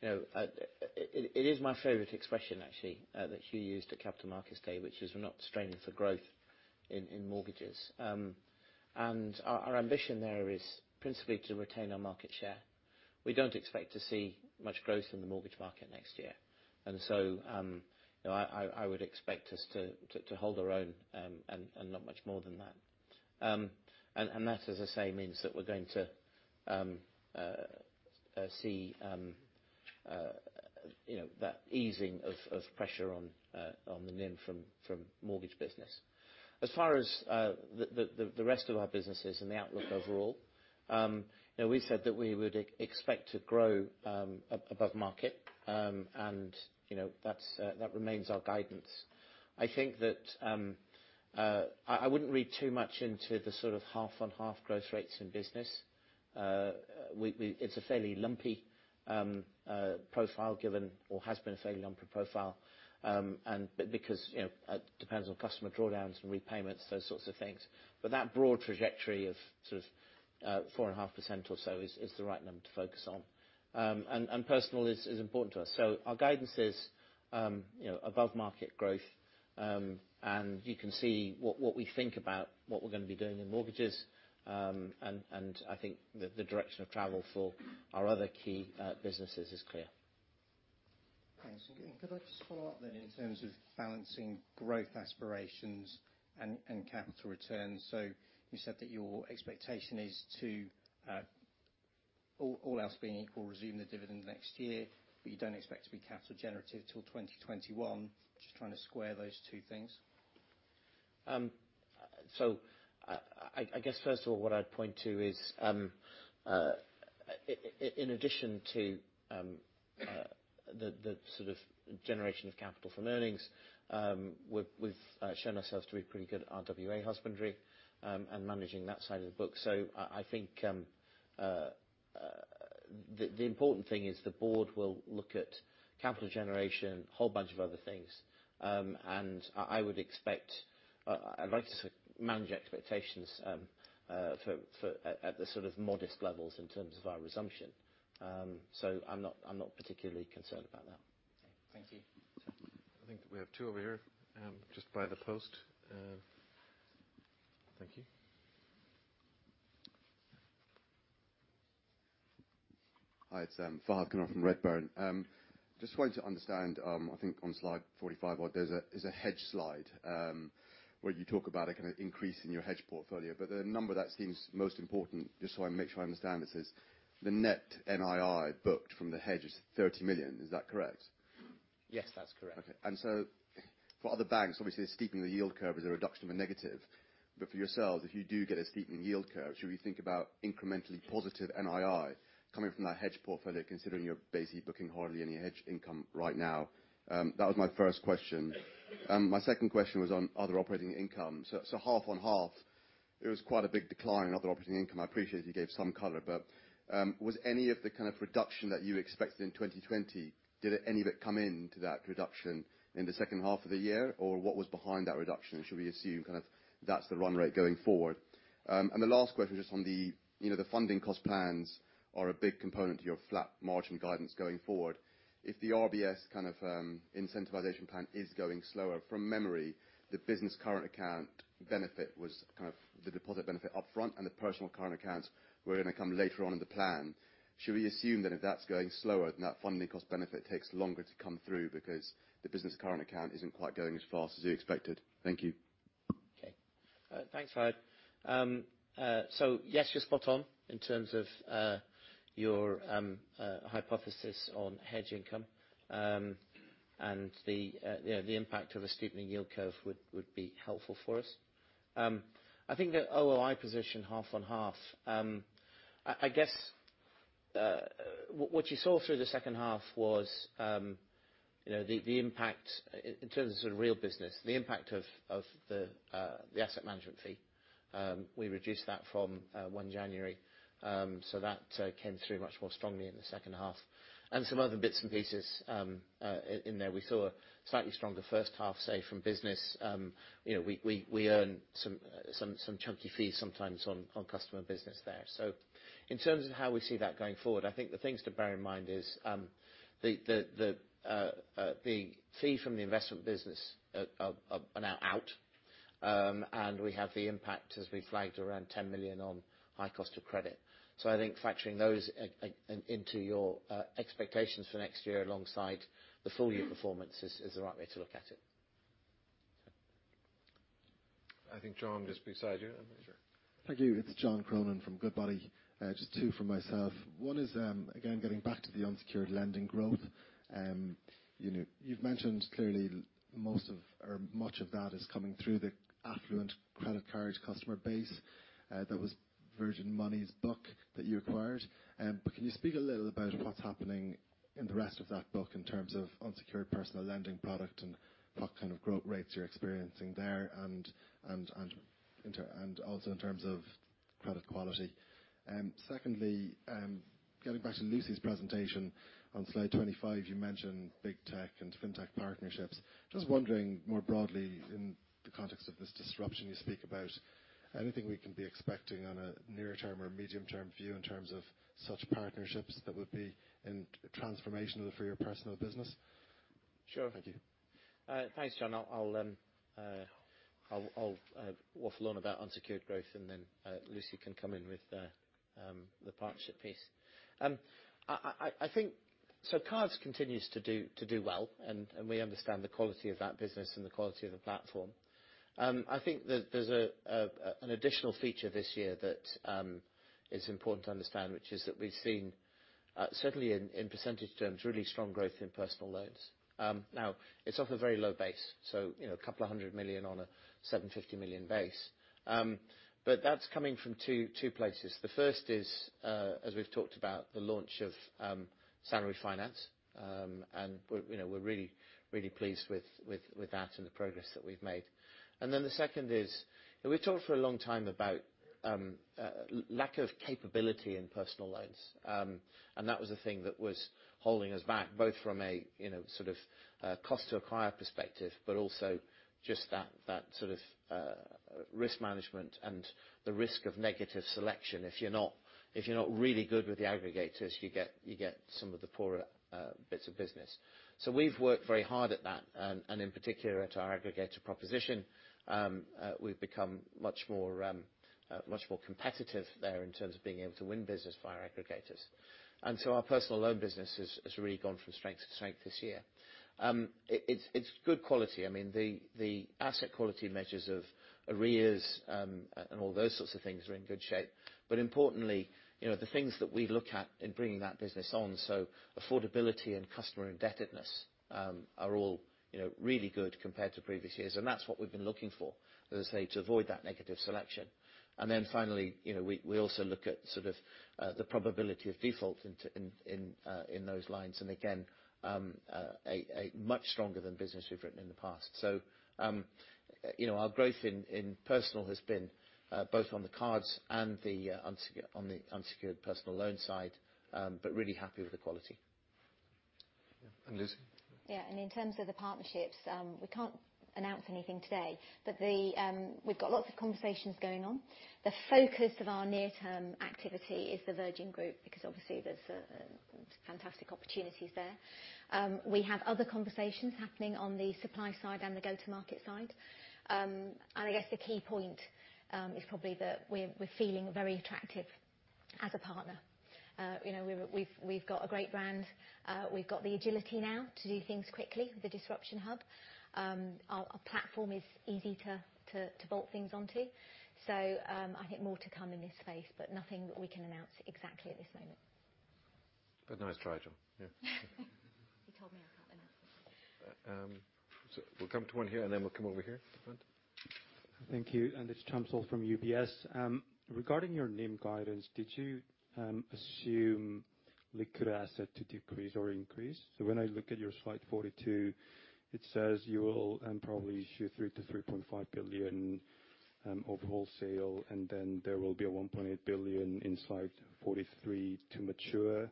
It is my favorite expression, actually, that Hugh used at Capital Markets Day, which is we're not straining for growth in mortgages. Our ambition there is principally to retain our market share. We don't expect to see much growth in the mortgage market next year. I would expect us to hold our own, and not much more than that. That, as I say, means that we're going to see that easing of pressure on the NIM from mortgage business. As far as the rest of our businesses and the outlook overall, we said that we would expect to grow above market, and that remains our guidance. I think that I wouldn't read too much into the sort of half on half growth rates in business. It's a fairly lumpy profile given, or has been a fairly lumpy profile. Because it depends on customer drawdowns and repayments, those sorts of things. That broad trajectory of sort of 4.5% or so is the right number to focus on. Personal is important to us. You can see what we think about what we're going to be doing in mortgages. I think the direction of travel for our other key businesses is clear. Thanks. Could I just follow up then in terms of balancing growth aspirations and capital returns? You said that your expectation is to all else being equal, resume the dividend next year, but you don't expect to be capital generative till 2021. Just trying to square those two things? I guess first of all, what I'd point to is in addition to the sort of generation of capital from earnings, we've shown ourselves to be pretty good at RWA husbandry and managing that side of the book. I think the important thing is the board will look at capital generation, whole bunch of other things. I'd like to manage expectations at the sort of modest levels in terms of our resumption. I'm not particularly concerned about that. Okay. Thank you. I think we have two over here just by the post. Thank you. Hi, it's Fahed Kunwar from Redburn. Just wanted to understand, I think on Slide 45 there's a hedge slide where you talk about a kind of increase in your hedge portfolio. The number that seems most important, just so I make sure I understand this, is the net NII booked from the hedge is 30 million. Is that correct? Yes, that's correct. Okay. For other banks, obviously a steepening yield curve is a reduction of a negative. For yourselves, if you do get a steepening yield curve, should we think about incrementally positive NII coming from that hedge portfolio considering you're basically booking hardly any hedge income right now? That was my first question. My second question was on other operating income. Half on half, it was quite a big decline in other operating income. I appreciate you gave some color, was any of the kind of reduction that you expected in 2020, did any of it come into that reduction in the second half of the year, or what was behind that reduction? Should we assume kind of that's the run rate going forward? The last question, just on the funding cost plans are a big component to your flat margin guidance going forward. If the RBS kind of incentivization plan is going slower, from memory, the business current account benefit was kind of the deposit benefit upfront, and the personal current accounts were going to come later on in the plan. Should we assume then if that's going slower than that funding cost benefit takes longer to come through because the business current account isn't quite going as fast as you expected? Thank you. Okay. Thanks, Fahed. Yes, you're spot on in terms of your hypothesis on hedge income. The impact of a steepening yield curve would be helpful for us. I think the OOI position half on half. I guess what you saw through the second half was the impact in terms of sort of real business, the impact of the asset management fee. We reduced that from 1 January, so that came through much more strongly in the second half. Some other bits and pieces in there. We saw a slightly stronger first half, say, from business. We earn some chunky fees sometimes on customer business there. In terms of how we see that going forward, I think the things to bear in mind is the fee from the investment business are now out. We have the impact, as we flagged, around 10 million on high cost of credit. I think factoring those into your expectations for next year alongside the full year performance is the right way to look at it. I think John just beside you. I'm not sure. Thank you. It's John Cronin from Goodbody. Just two from myself. One is, again, getting back to the unsecured lending growth. You've mentioned clearly most of or much of that is coming through the affluent credit card customer base that was Virgin Money's book that you acquired. Can you speak a little about what's happening in the rest of that book in terms of unsecured personal lending product and what kind of growth rates you're experiencing there, and also in terms of credit quality? Secondly, going back to Lucy's presentation on Slide 25, you mentioned big tech and fintech partnerships. Just wondering more broadly in the context of this disruption you speak about, anything we can be expecting on a near term or medium-term view in terms of such partnerships that would be transformational for your personal business? Sure. Thank you. Thanks, John. I'll waffle on about unsecured growth, Lucy can come in with the partnership piece. Cards continues to do well, we understand the quality of that business and the quality of the platform. I think that there's an additional feature this year that is important to understand, which is that we've seen certainly in percentage terms, really strong growth in personal loans. It's off a very low base, a couple of hundred million GBP on a 750 million base. That's coming from two places. The first is, as we've talked about the launch of Salary Finance, we're really pleased with that and the progress that we've made. The second is we've talked for a long time about lack of capability in personal loans. That was the thing that was holding us back, both from a sort of cost to acquire perspective, but also just that sort of risk management and the risk of negative selection. If you're not really good with the aggregators, you get some of the poorer bits of business. We've worked very hard at that, and in particular at our aggregator proposition. We've become much more competitive there in terms of being able to win business via aggregators. Our personal loan business has really gone from strength to strength this year. It's good quality. The asset quality measures of arrears, and all those sorts of things are in good shape. Importantly, the things that we look at in bringing that business on, so affordability and customer indebtedness, are all really good compared to previous years, and that's what we've been looking for, as I say, to avoid that negative selection. Then finally, we also look at sort of the probability of default in those lines. Again, a much stronger than business we've written in the past. Our growth in personal has been both on the cards and on the unsecured personal loan side, but really happy with the quality. Lucy. Yeah. In terms of the partnerships, we can't announce anything today, but we've got lots of conversations going on. The focus of our near term activity is the Virgin Group, because obviously there's fantastic opportunities there. We have other conversations happening on the supply side and the go-to market side. I guess the key point is probably that we're feeling very attractive as a partner. We've got a great brand. We've got the agility now to do things quickly with the disruption hub. Our platform is easy to bolt things onto. I think more to come in this space, but nothing that we can announce exactly at this moment. Nice try, John. Yeah. He told me I can't announce anything. We'll come to one here and then we'll come over here at the front. Thank you. It's Chamzal from UBS. Regarding your NIM guidance, did you assume liquid asset to decrease or increase? When I look at your Slide 42, it says you will probably issue 3 billion-3.5 billion overall sale, and then there will be a 1.8 billion in Slide 43 to mature,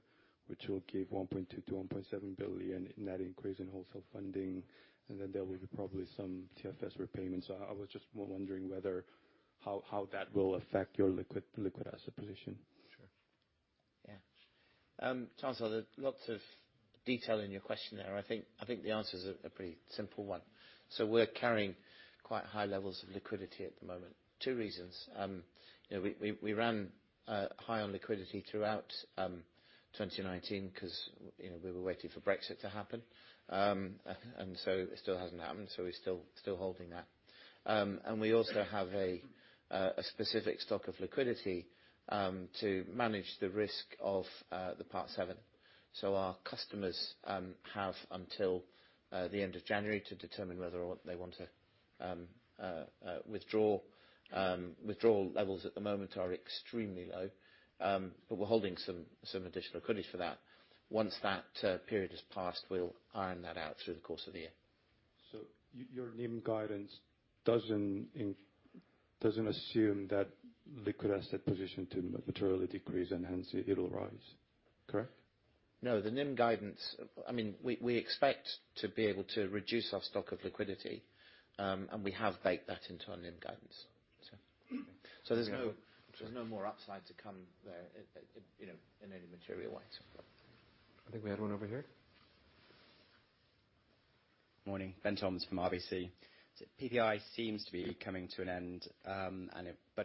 which will give 1.2 billion-1.7 billion in that increase in wholesale funding. There will be probably some TFS repayments. I was just wondering whether how that will affect your liquid asset position. Sure. Yeah. Charles, lots of detail in your question there. I think the answer is a pretty simple one. We're carrying quite high levels of liquidity at the moment. Two reasons. We ran high on liquidity throughout 2019 because we were waiting for Brexit to happen. It still hasn't happened, so we're still holding that. We also have a specific stock of liquidity to manage the risk of the Part VII. Our customers have until the end of January to determine whether or not they want to withdraw. Withdrawal levels at the moment are extremely low, but we're holding some additional liquidity for that. Once that period has passed, we'll iron that out through the course of the year. Your NIM guidance doesn't assume that liquid asset position to materially decrease and hence it will rise. Correct? No, the NIM guidance we expect to be able to reduce our stock of liquidity, and we have baked that into our NIM guidance. There's no more upside to come there in any material way. I think we had one over here. Morning. Ben Toms from RBC. PPI seems to be coming to an end.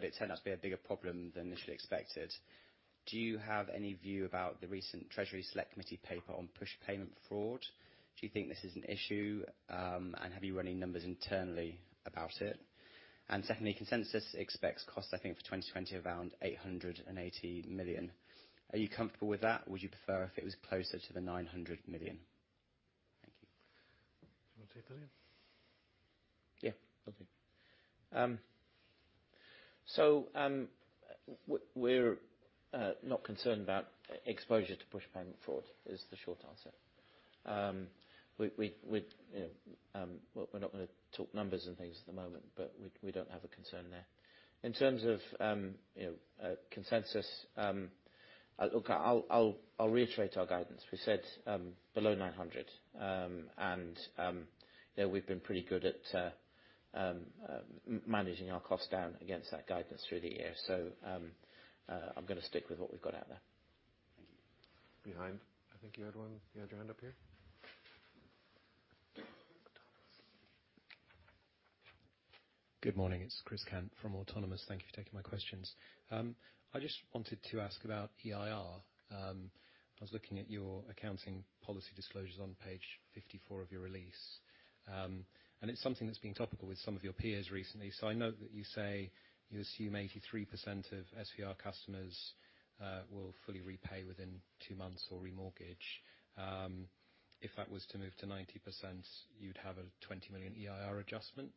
It turned out to be a bigger problem than initially expected. Do you have any view about the recent Treasury Select Committee paper on push payment fraud? Do you think this is an issue? Have you run any numbers internally about it? Secondly, consensus expects costs, I think, for 2020 of around 880 million. Are you comfortable with that? Would you prefer if it was closer to the 900 million? Thank you. Do you want to take that Ian? Yeah. I'll take it. We're not concerned about exposure to push payment fraud, is the short answer. We're not going to talk numbers and things at the moment, but we don't have a concern there. In terms of consensus, look, I'll reiterate our guidance. We said below 900, and we've been pretty good at managing our costs down against that guidance through the year. I'm going to stick with what we've got out there. Thank you. Behind. I think you had your hand up here. Good morning, it's Chris Cant from Autonomous. Thank you for taking my questions. I just wanted to ask about EIR. I was looking at your accounting policy disclosures on page 54 of your release. It's something that's been topical with some of your peers recently. I note that you say you assume 83% of SVR customers will fully repay within two months or remortgage. If that was to move to 90%, you'd have a 20 million EIR adjustment.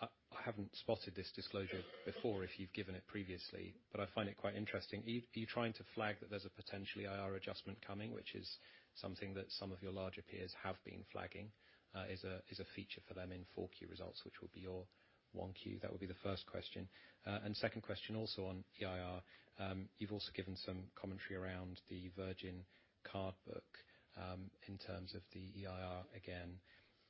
I haven't spotted this disclosure before, if you've given it previously, but I find it quite interesting. Are you trying to flag that there's a potential EIR adjustment coming, which is something that some of your larger peers have been flagging, is a feature for them in 4Q results, which will be your 1Q? That would be the first question. Second question also on EIR. You've also given some commentary around the Virgin card book, in terms of the EIR again.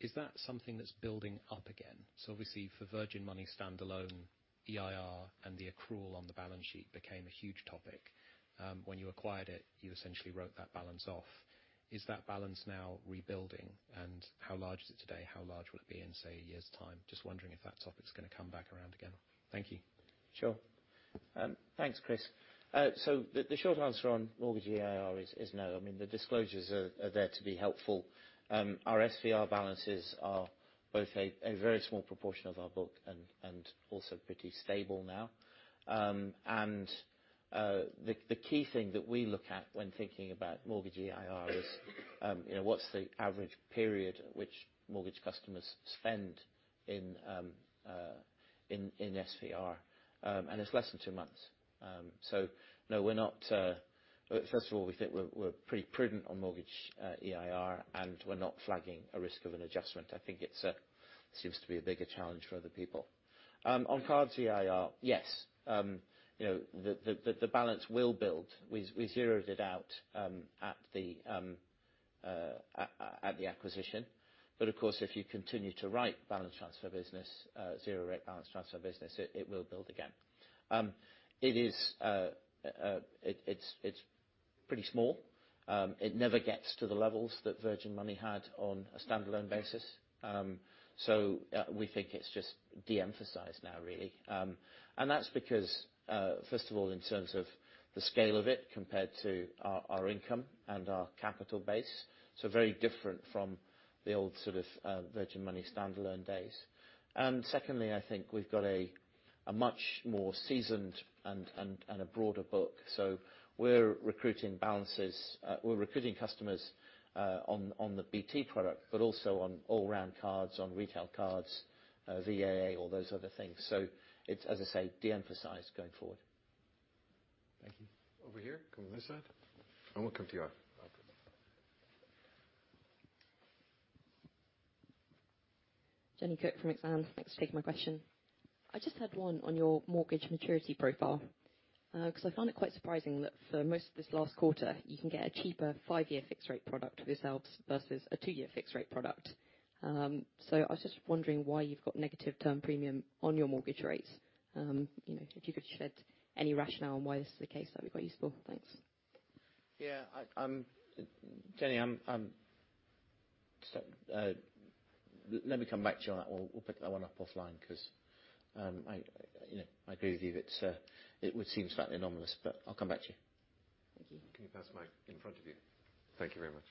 Is that something that's building up again? Obviously, for Virgin Money standalone, EIR and the accrual on the balance sheet became a huge topic. When you acquired it, you essentially wrote that balance off. Is that balance now rebuilding? How large is it today? How large will it be in, say, a year's time? Just wondering if that topic is going to come back around again. Thank you. Sure. Thanks, Chris. The short answer on mortgage EIR is no. The disclosures are there to be helpful. Our SVR balances are both a very small proportion of our book and also pretty stable now. The key thing that we look at when thinking about mortgage EIR is what's the average period which mortgage customers spend in SVR, and it's less than two months. No, first of all, we think we're pretty prudent on mortgage EIR, and we're not flagging a risk of an adjustment. I think it seems to be a bigger challenge for other people. On card EIR, yes. The balance will build. We zeroed it out at the acquisition. Of course, if you continue to write balance transfer business, zero rate balance transfer business, it will build again. It's pretty small. It never gets to the levels that Virgin Money had on a standalone basis. We think it's just de-emphasized now, really. That's because, first of all, in terms of the scale of it compared to our income and our capital base, very different from the old sort of Virgin Money standalone days. Secondly, I think we've got a much more seasoned and a broader book. We're recruiting balances, we're recruiting customers on the BT product, but also on all-round cards, on retail cards, VAA, all those other things. It's, as I say, de-emphasized going forward. Thank you. Over here. Can we miss that? We'll come to you after. Jenny Cook from Exane. Thanks for taking my question. I just had one on your mortgage maturity profile. I found it quite surprising that for most of this last quarter, you can get a cheaper five-year fixed rate product with this helps versus a two-year fixed rate product. I was just wondering why you've got negative term premium on your mortgage rates. If you could shed any rationale on why this is the case, that'd be quite useful. Thanks. Yeah. Jenny, let me come back to you on that or we will pick that one up offline because I agree with you that it would seem slightly anomalous, but I will come back to you. Thank you. Can you pass the mic in front of you? Thank you very much.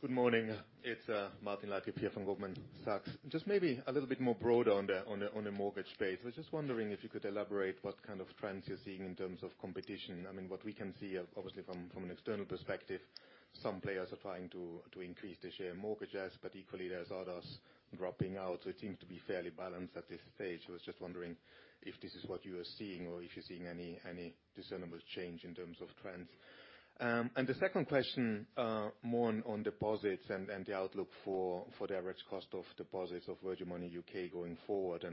Good morning. It's Martin Leitgeb here from Goldman Sachs. Maybe a little bit more broad on the mortgage space. I was just wondering if you could elaborate what kind of trends you're seeing in terms of competition. What we can see, obviously from an external perspective, some players are trying to increase their share in mortgages, but equally there's others dropping out. It seems to be fairly balanced at this stage. I was just wondering if this is what you are seeing, or if you're seeing any discernible change in terms of trends. The second question, more on deposits and the outlook for the average cost of deposits of Virgin Money UK going forward.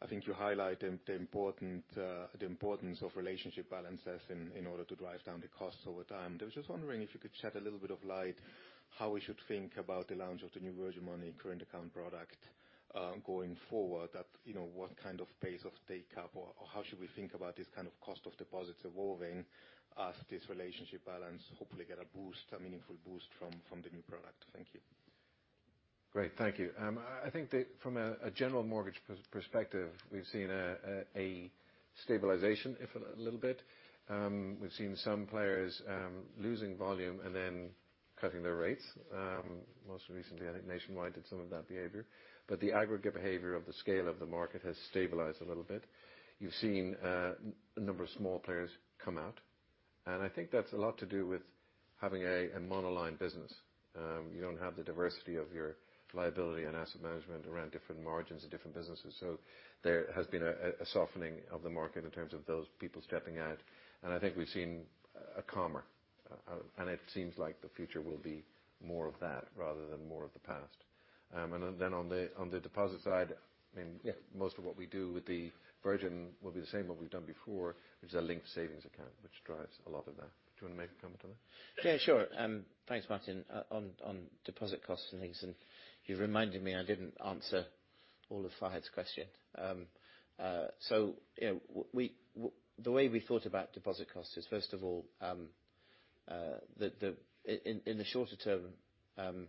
I think you highlight the importance of relationship balances in order to drive down the costs over time. I was just wondering if you could shed a little bit of light how we should think about the launch of the new Virgin Money current account product, going forward. What kind of pace of takeup, or how should we think about this kind of cost of deposits evolving as this relationship balance hopefully get a boost, a meaningful boost from the new product? Thank you. Great. Thank you. I think that from a general mortgage perspective, we've seen a stabilization if a little bit. We've seen some players losing volume and then cutting their rates. Most recently, I think Nationwide did some of that behavior. The aggregate behavior of the scale of the market has stabilized a little bit. You've seen a number of small players come out, and I think that's a lot to do with having a monoline business. You don't have the diversity of your liability and asset management around different margins and different businesses. There has been a softening of the market in terms of those people stepping out. I think we've seen a calmer, and it seems like the future will be more of that rather than more of the past. On the deposit side, most of what we do with the Virgin will be the same what we've done before, which is a linked savings account, which drives a lot of that. Do you want to make a comment on that? Yeah, sure. Thanks, Martin. On deposit cost and things, and you reminded me I didn't answer all of Fahed's question. The way we thought about deposit costs is, first of all, in the shorter term,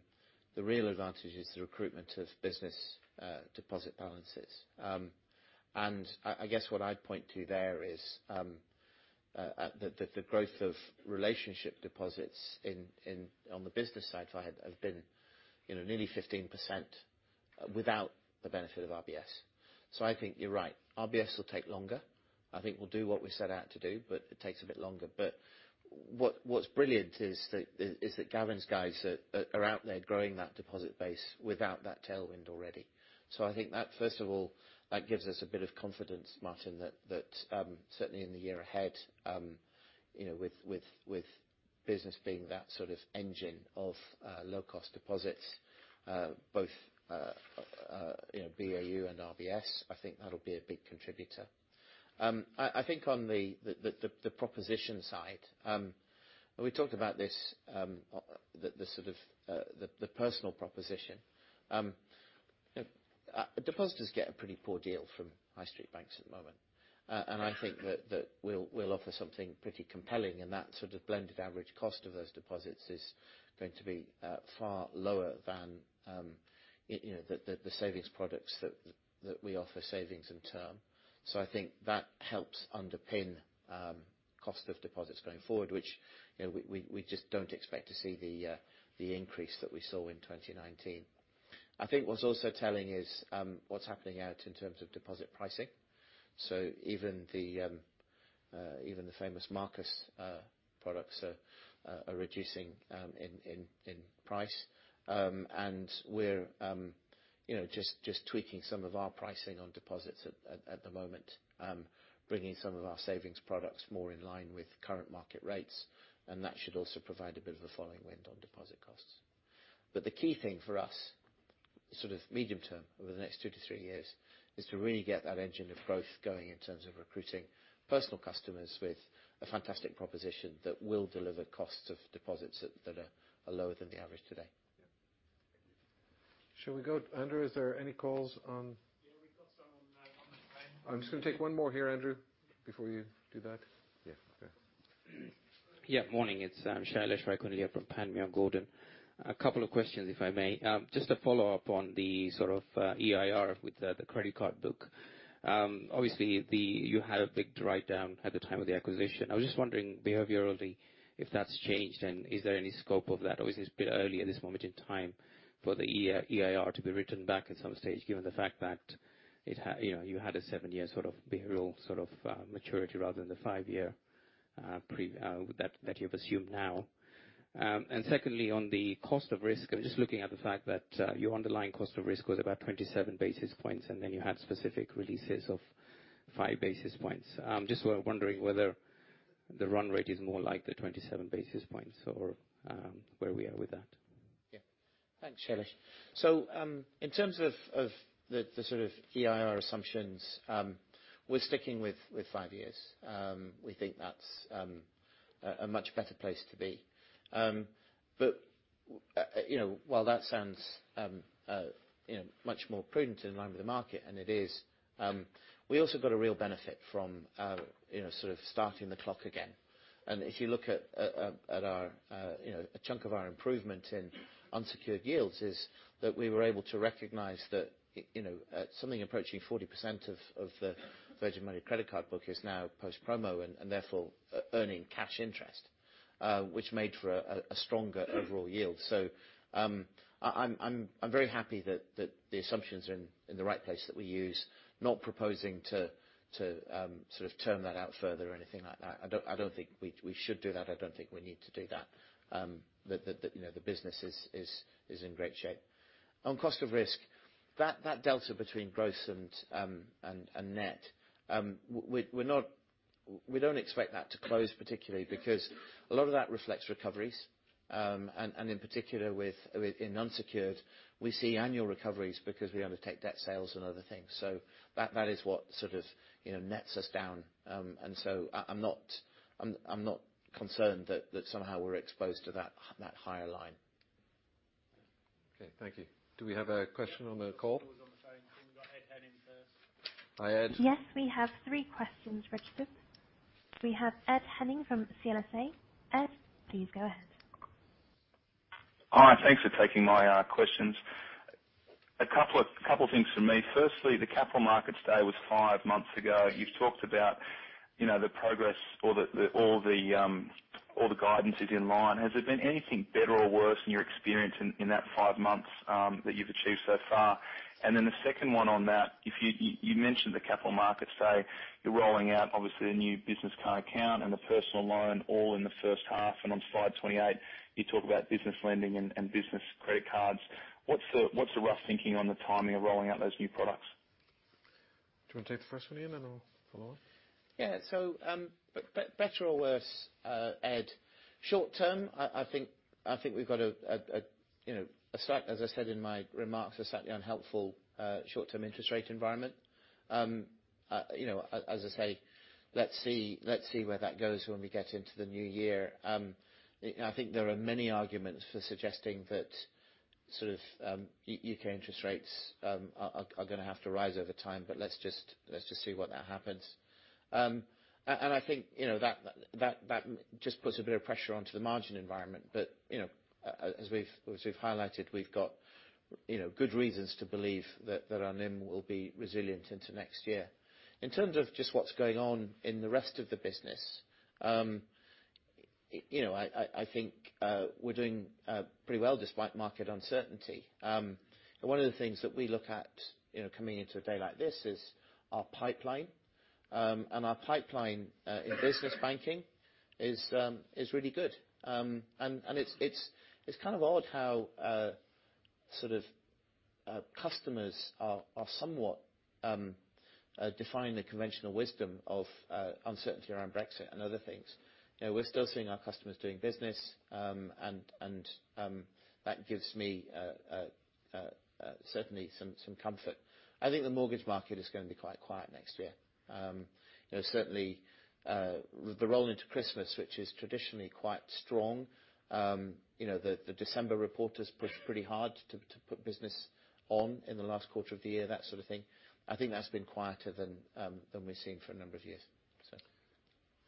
the real advantage is the recruitment of business deposit balances. I guess what I'd point to there is the growth of relationship deposits on the business side have been nearly 15% without the benefit of RBS. I think you're right. RBS will take longer. I think we'll do what we set out to do, but it takes a bit longer. What's brilliant is that Gavin's guys are out there growing that deposit base without that tailwind already. I think that first of all, that gives us a bit of confidence, Martin, that certainly in the year ahead, with business being that sort of engine of low-cost deposits, both BAU and RBS, I think that'll be a big contributor. I think on the proposition side, we talked about this, the personal proposition. Depositors get a pretty poor deal from High Street banks at the moment. I think that we'll offer something pretty compelling in that sort of blended average cost of those deposits is going to be far lower than the savings products that we offer savings in term. I think that helps underpin cost of deposits going forward, which we just don't expect to see the increase that we saw in 2019. I think what's also telling is what's happening out in terms of deposit pricing. Even the famous Marcus products are reducing in price. We're just tweaking some of our pricing on deposits at the moment, bringing some of our savings products more in line with current market rates. That should also provide a bit of a following wind on deposit costs. The key thing for us, sort of medium term over the next two to three years is to really get that engine of growth going in terms of recruiting personal customers with a fantastic proposition that will deliver costs of deposits that are lower than the average today. Yeah. Thank you. Shall we go, Andrew, is there any calls on? Yeah, we got some on the phone. I'm just going to take one more here, Andrew, before you do that. Yeah. Okay. Yeah. Morning. It's Shailesh Raikundalia from Panmure Gordon. A couple of questions, if I may. Just a follow-up on the sort of EIR with the credit card book. Obviously, you had a big write-down at the time of the acquisition. I was just wondering behaviorally if that's changed and is there any scope of that, or is this a bit early at this moment in time for the EIR to be written back at some stage, given the fact that you had a seven-year sort of behavioral sort of maturity rather than the five-year that you've assumed now? Secondly, on the cost of risk, I'm just looking at the fact that your underlying cost of risk was about 27 basis points, and then you had specific releases of five basis points. Just wondering whether The run rate is more like the 27 basis points or where we are with that. Thanks, Shailesh. In terms of the sort of EIR assumptions, we're sticking with five years. While that sounds much more prudent in line with the market, and it is, we also got a real benefit from sort of starting the clock again. If you look at a chunk of our improvement in unsecured yields is that we were able to recognize that something approaching 40% of the Virgin Money credit card book is now post promo and therefore earning cash interest, which made for a stronger overall yield. I'm very happy that the assumptions are in the right place that we use. Not proposing to sort of term that out further or anything like that. I don't think we should do that. I don't think we need to do that. The business is in great shape. On cost of risk, that delta between gross and net, we don't expect that to close particularly because a lot of that reflects recoveries. In particular in unsecured, we see annual recoveries because we undertake debt sales and other things. That is what sort of nets us down. I'm not concerned that somehow we're exposed to that higher line. Okay. Thank you. Do we have a question on the call? We've got Ed Henning first. Hi, Ed. Yes, we have three questions, Richard. We have Ed Henning from CLSA. Ed, please go ahead. Hi. Thanks for taking my questions. A couple of things from me. Firstly, the Capital Markets Day was five months ago. You've talked about the progress or all the guidance is in line. Has there been anything better or worse in your experience in that five months that you've achieved so far? The second one on that, you mentioned the Capital Markets Day, you're rolling out, obviously the new business current account and the personal loan all in the first half. On Slide 28, you talk about business lending and business credit cards. What's the rough thinking on the timing of rolling out those new products? Do you want to take the first one, Ian, and I'll follow on? Yeah. Better or worse, Ed, short term, I think we've got a slight, as I said in my remarks, a slightly unhelpful short-term interest rate environment. As I say, let's see where that goes when we get into the new year. I think there are many arguments for suggesting that sort of U.K. interest rates are going to have to rise over time. Let's just see what that happens. I think that just puts a bit of pressure onto the margin environment. As we've highlighted, we've got good reasons to believe that our NIM will be resilient into next year. In terms of just what's going on in the rest of the business, I think we're doing pretty well despite market uncertainty. One of the things that we look at coming into a day like this is our pipeline. Our pipeline in business banking is really good. It's kind of odd how sort of customers are somewhat defying the conventional wisdom of uncertainty around Brexit and other things. We're still seeing our customers doing business, and that gives me certainly some comfort. I think the mortgage market is going to be quite quiet next year. Certainly, the roll into Christmas, which is traditionally quite strong. The December report has pushed pretty hard to put business on in the last quarter of the year, that sort of thing. I think that's been quieter than we've seen for a number of years, so.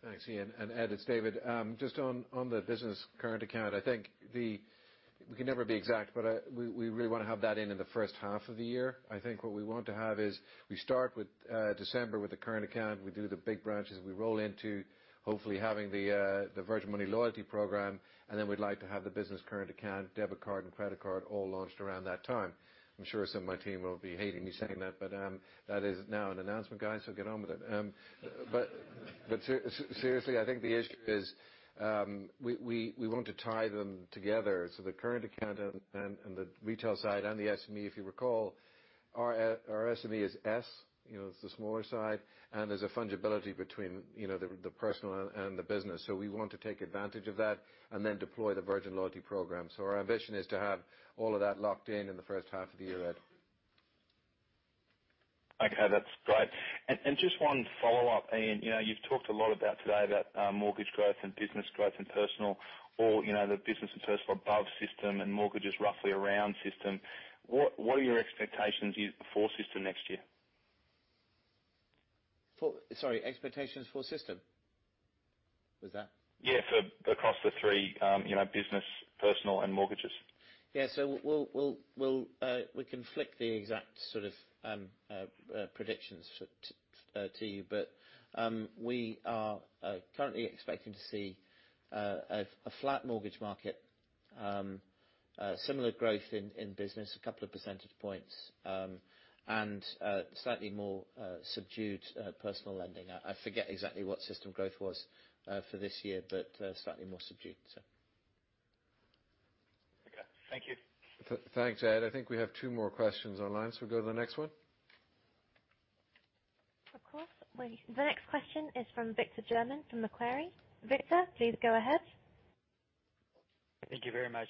Thanks, Ian. Ed, it's David. Just on the business current account, I think we can never be exact, but we really want to have that in the first half of the year. I think what we want to have is we start with December with the current account. We do the big branches. We roll into hopefully having the Virgin Money Loyalty Program, and then we'd like to have the business current account, debit card, and credit card all launched around that time. I'm sure some of my team will be hating me saying that, but that is now an announcement, guys, so get on with it. Seriously, I think the issue is we want to tie them together. The current account and the retail side and the SME, if you recall, our SME is S, it's the smaller side, and there's a fungibility between the personal and the business. We want to take advantage of that and then deploy the Virgin loyalty program. Our ambition is to have all of that locked in in the first half of the year, Ed. Okay. That's great. Just one follow-up, Ian. You've talked a lot about today about mortgage growth and business growth and personal or the business and personal above system and mortgages roughly around system. What are your expectations for system next year? Sorry, expectations for system? Yeah. across the three business, personal, and mortgages. Yeah. We can flick the exact sort of predictions to you. We are currently expecting to see a flat mortgage market, similar growth in business, a couple of percentage points, and slightly more subdued personal lending. I forget exactly what system growth was for this year, but slightly more subdued. Thank you. Thanks, Ed. I think we have two more questions online. We'll go to the next one. Of course. The next question is from Victor German from Macquarie. Victor, please go ahead. Thank you very much.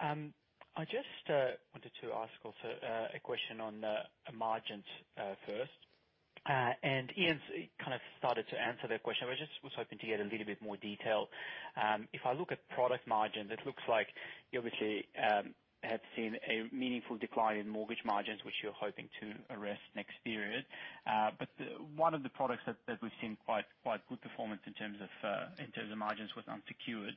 I just wanted to ask also a question on the margins first. Ian kind of started to answer the question, but I just was hoping to get a little bit more detail. If I look at product margins, it looks like you obviously have seen a meaningful decline in mortgage margins, which you're hoping to arrest next period. One of the products that we've seen quite good performance in terms of margins was unsecured,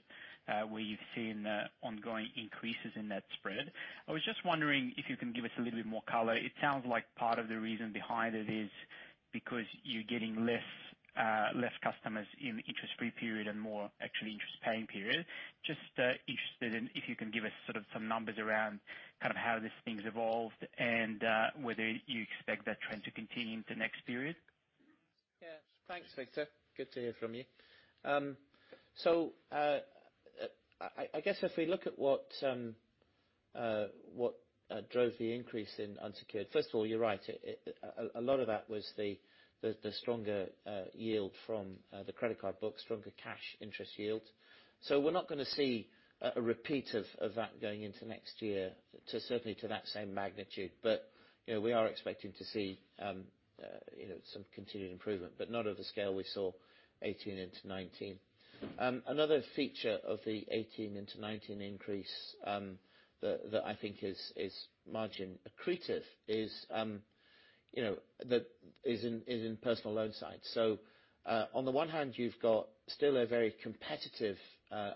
where you've seen ongoing increases in that spread. I was just wondering if you can give us a little bit more color. It sounds like part of the reason behind it is because you're getting less customers in the interest-free period and more actually interest paying period. Just interested in if you can give us sort of some numbers around how this thing's evolved and whether you expect that trend to continue into next period? Yeah. Thanks, Victor. Good to hear from you. I guess if we look at what drove the increase in unsecured, first of all, you're right. A lot of that was the stronger yield from the credit card book, stronger cash interest yield. We're not going to see a repeat of that going into next year, certainly to that same magnitude. We are expecting to see some continued improvement, but not of the scale we saw 2018 into 2019. Another feature of the 2018 into 2019 increase that I think is margin accretive is in personal loan side. On the one hand you've got still a very competitive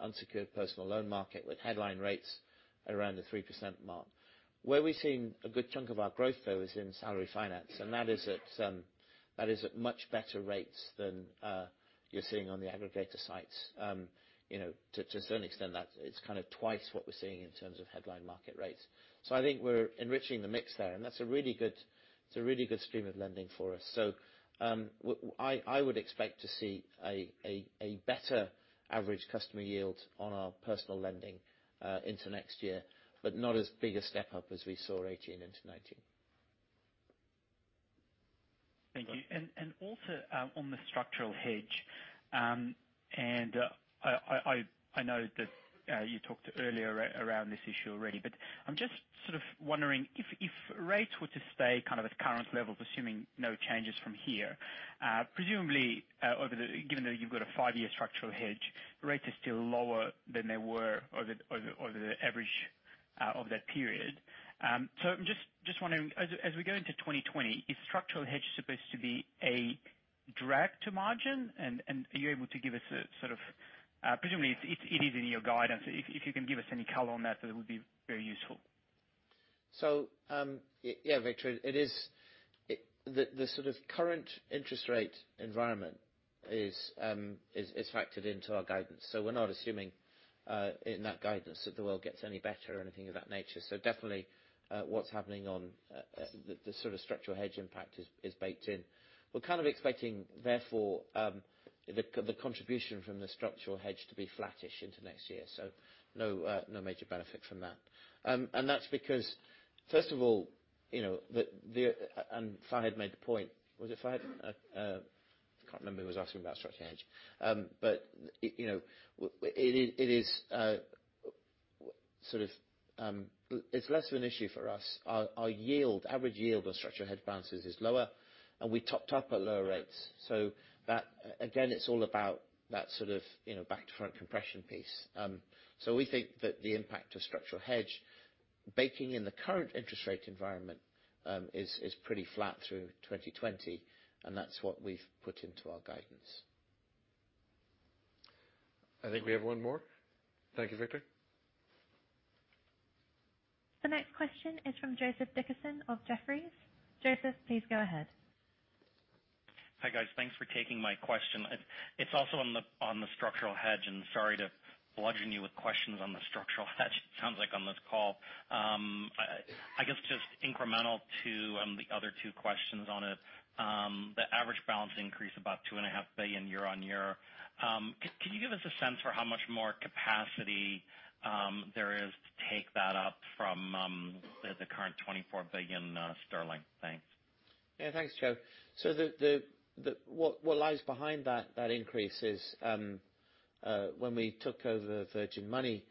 unsecured personal loan market with headline rates around the 3% mark. Where we're seeing a good chunk of our growth though is in Salary Finance. That is at much better rates than you're seeing on the aggregator sites. To a certain extent that it's kind of twice what we're seeing in terms of headline market rates. I think we're enriching the mix there, and that's a really good stream of lending for us. I would expect to see a better average customer yield on our personal lending into next year, but not as big a step up as we saw 2018 into 2019. Thank you. Also on the structural hedge, I know that you talked earlier around this issue already, but I'm just sort of wondering if rates were to stay kind of at current levels, assuming no changes from here. Presumably given that you've got a five-year structural hedge, rates are still lower than they were over the average of that period. I'm just wondering as we go into 2020, is structural hedge supposed to be a drag to margin, and are you able to give us any color on that? Presumably it is in your guidance. If you can give us any color on that would be very useful. Yeah, Victor. The sort of current interest rate environment is factored into our guidance. We're not assuming in that guidance that the world gets any better or anything of that nature. Definitely what's happening on the sort of structural hedge impact is baked in. We're kind of expecting therefore the contribution from the structural hedge to be flattish into next year. No major benefit from that. That's because first of all, Fahed made the point. Was it Fahed? I can't remember who was asking about structural hedge. It's less of an issue for us. Our average yield on structural hedge balances is lower, and we topped up at lower rates. Again, it's all about that sort of back to front compression piece. We think that the impact of structural hedge baking in the current interest rate environment is pretty flat through 2020, and that's what we've put into our guidance. I think we have one more. Thank you, Victor. The next question is from Joseph Dickerson of Jefferies. Joseph, please go ahead. Hi, guys. Thanks for taking my question. It's also on the structural hedge, and sorry to bludgeon you with questions on the structural hedge it sounds like on this call. I guess just incremental to the other two questions on it. The average balance increase about 2.5 billion year-on-year. Can you give us a sense for how much more capacity there is to take that up from the current 24 billion sterling? Thanks. Yeah. Thanks, Joe. What lies behind that increase is when we took over Virgin Money,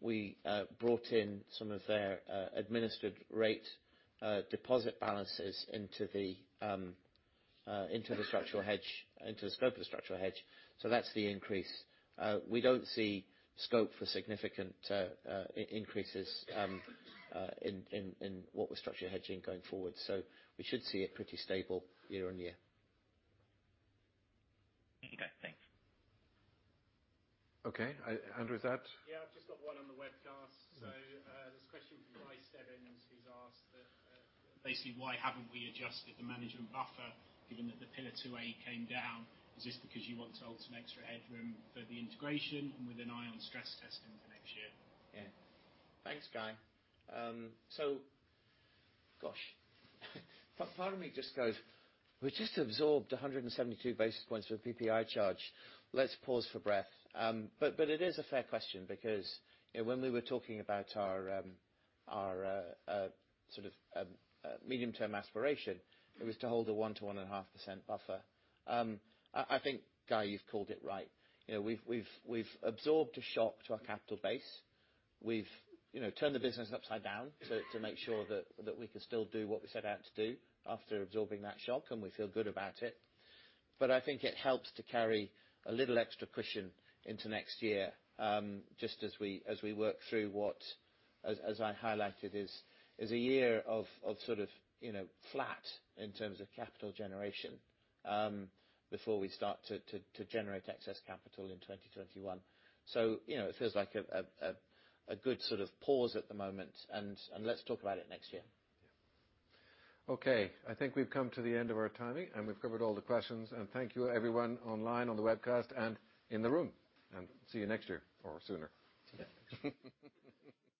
we brought in some of their administered rate deposit balances into the scope of the structural hedge. That's the increase. We don't see scope for significant increases in what we're structurally hedging going forward. We should see it pretty stable year on year. Okay, thanks. Okay. Andrew, is that? Yeah. I've just got one on the webcast. There's a question from Guy Stebbings who's asked basically why haven't we adjusted the management buffer given that the Pillar 2A came down? Is this because you want to hold some extra headroom for the integration and with an eye on stress testing for next year? Yeah. Thanks, Guy. Gosh. Part of me just goes we just absorbed 172 basis points of a PPI charge. Let's pause for breath. It is a fair question because when we were talking about our sort of medium-term aspiration, it was to hold a 1%-1.5% buffer. I think, Guy, you've called it right. We've absorbed a shock to our capital base. We've turned the business upside down to make sure that we can still do what we set out to do after absorbing that shock. We feel good about it. I think it helps to carry a little extra cushion into next year just as we work through what as I highlighted is a year of sort of flat in terms of capital generation before we start to generate excess capital in 2021. It feels like a good sort of pause at the moment, and let's talk about it next year. Okay. I think we've come to the end of our timing, and we've covered all the questions. Thank you everyone online on the webcast and in the room. See you next year or sooner. Yeah.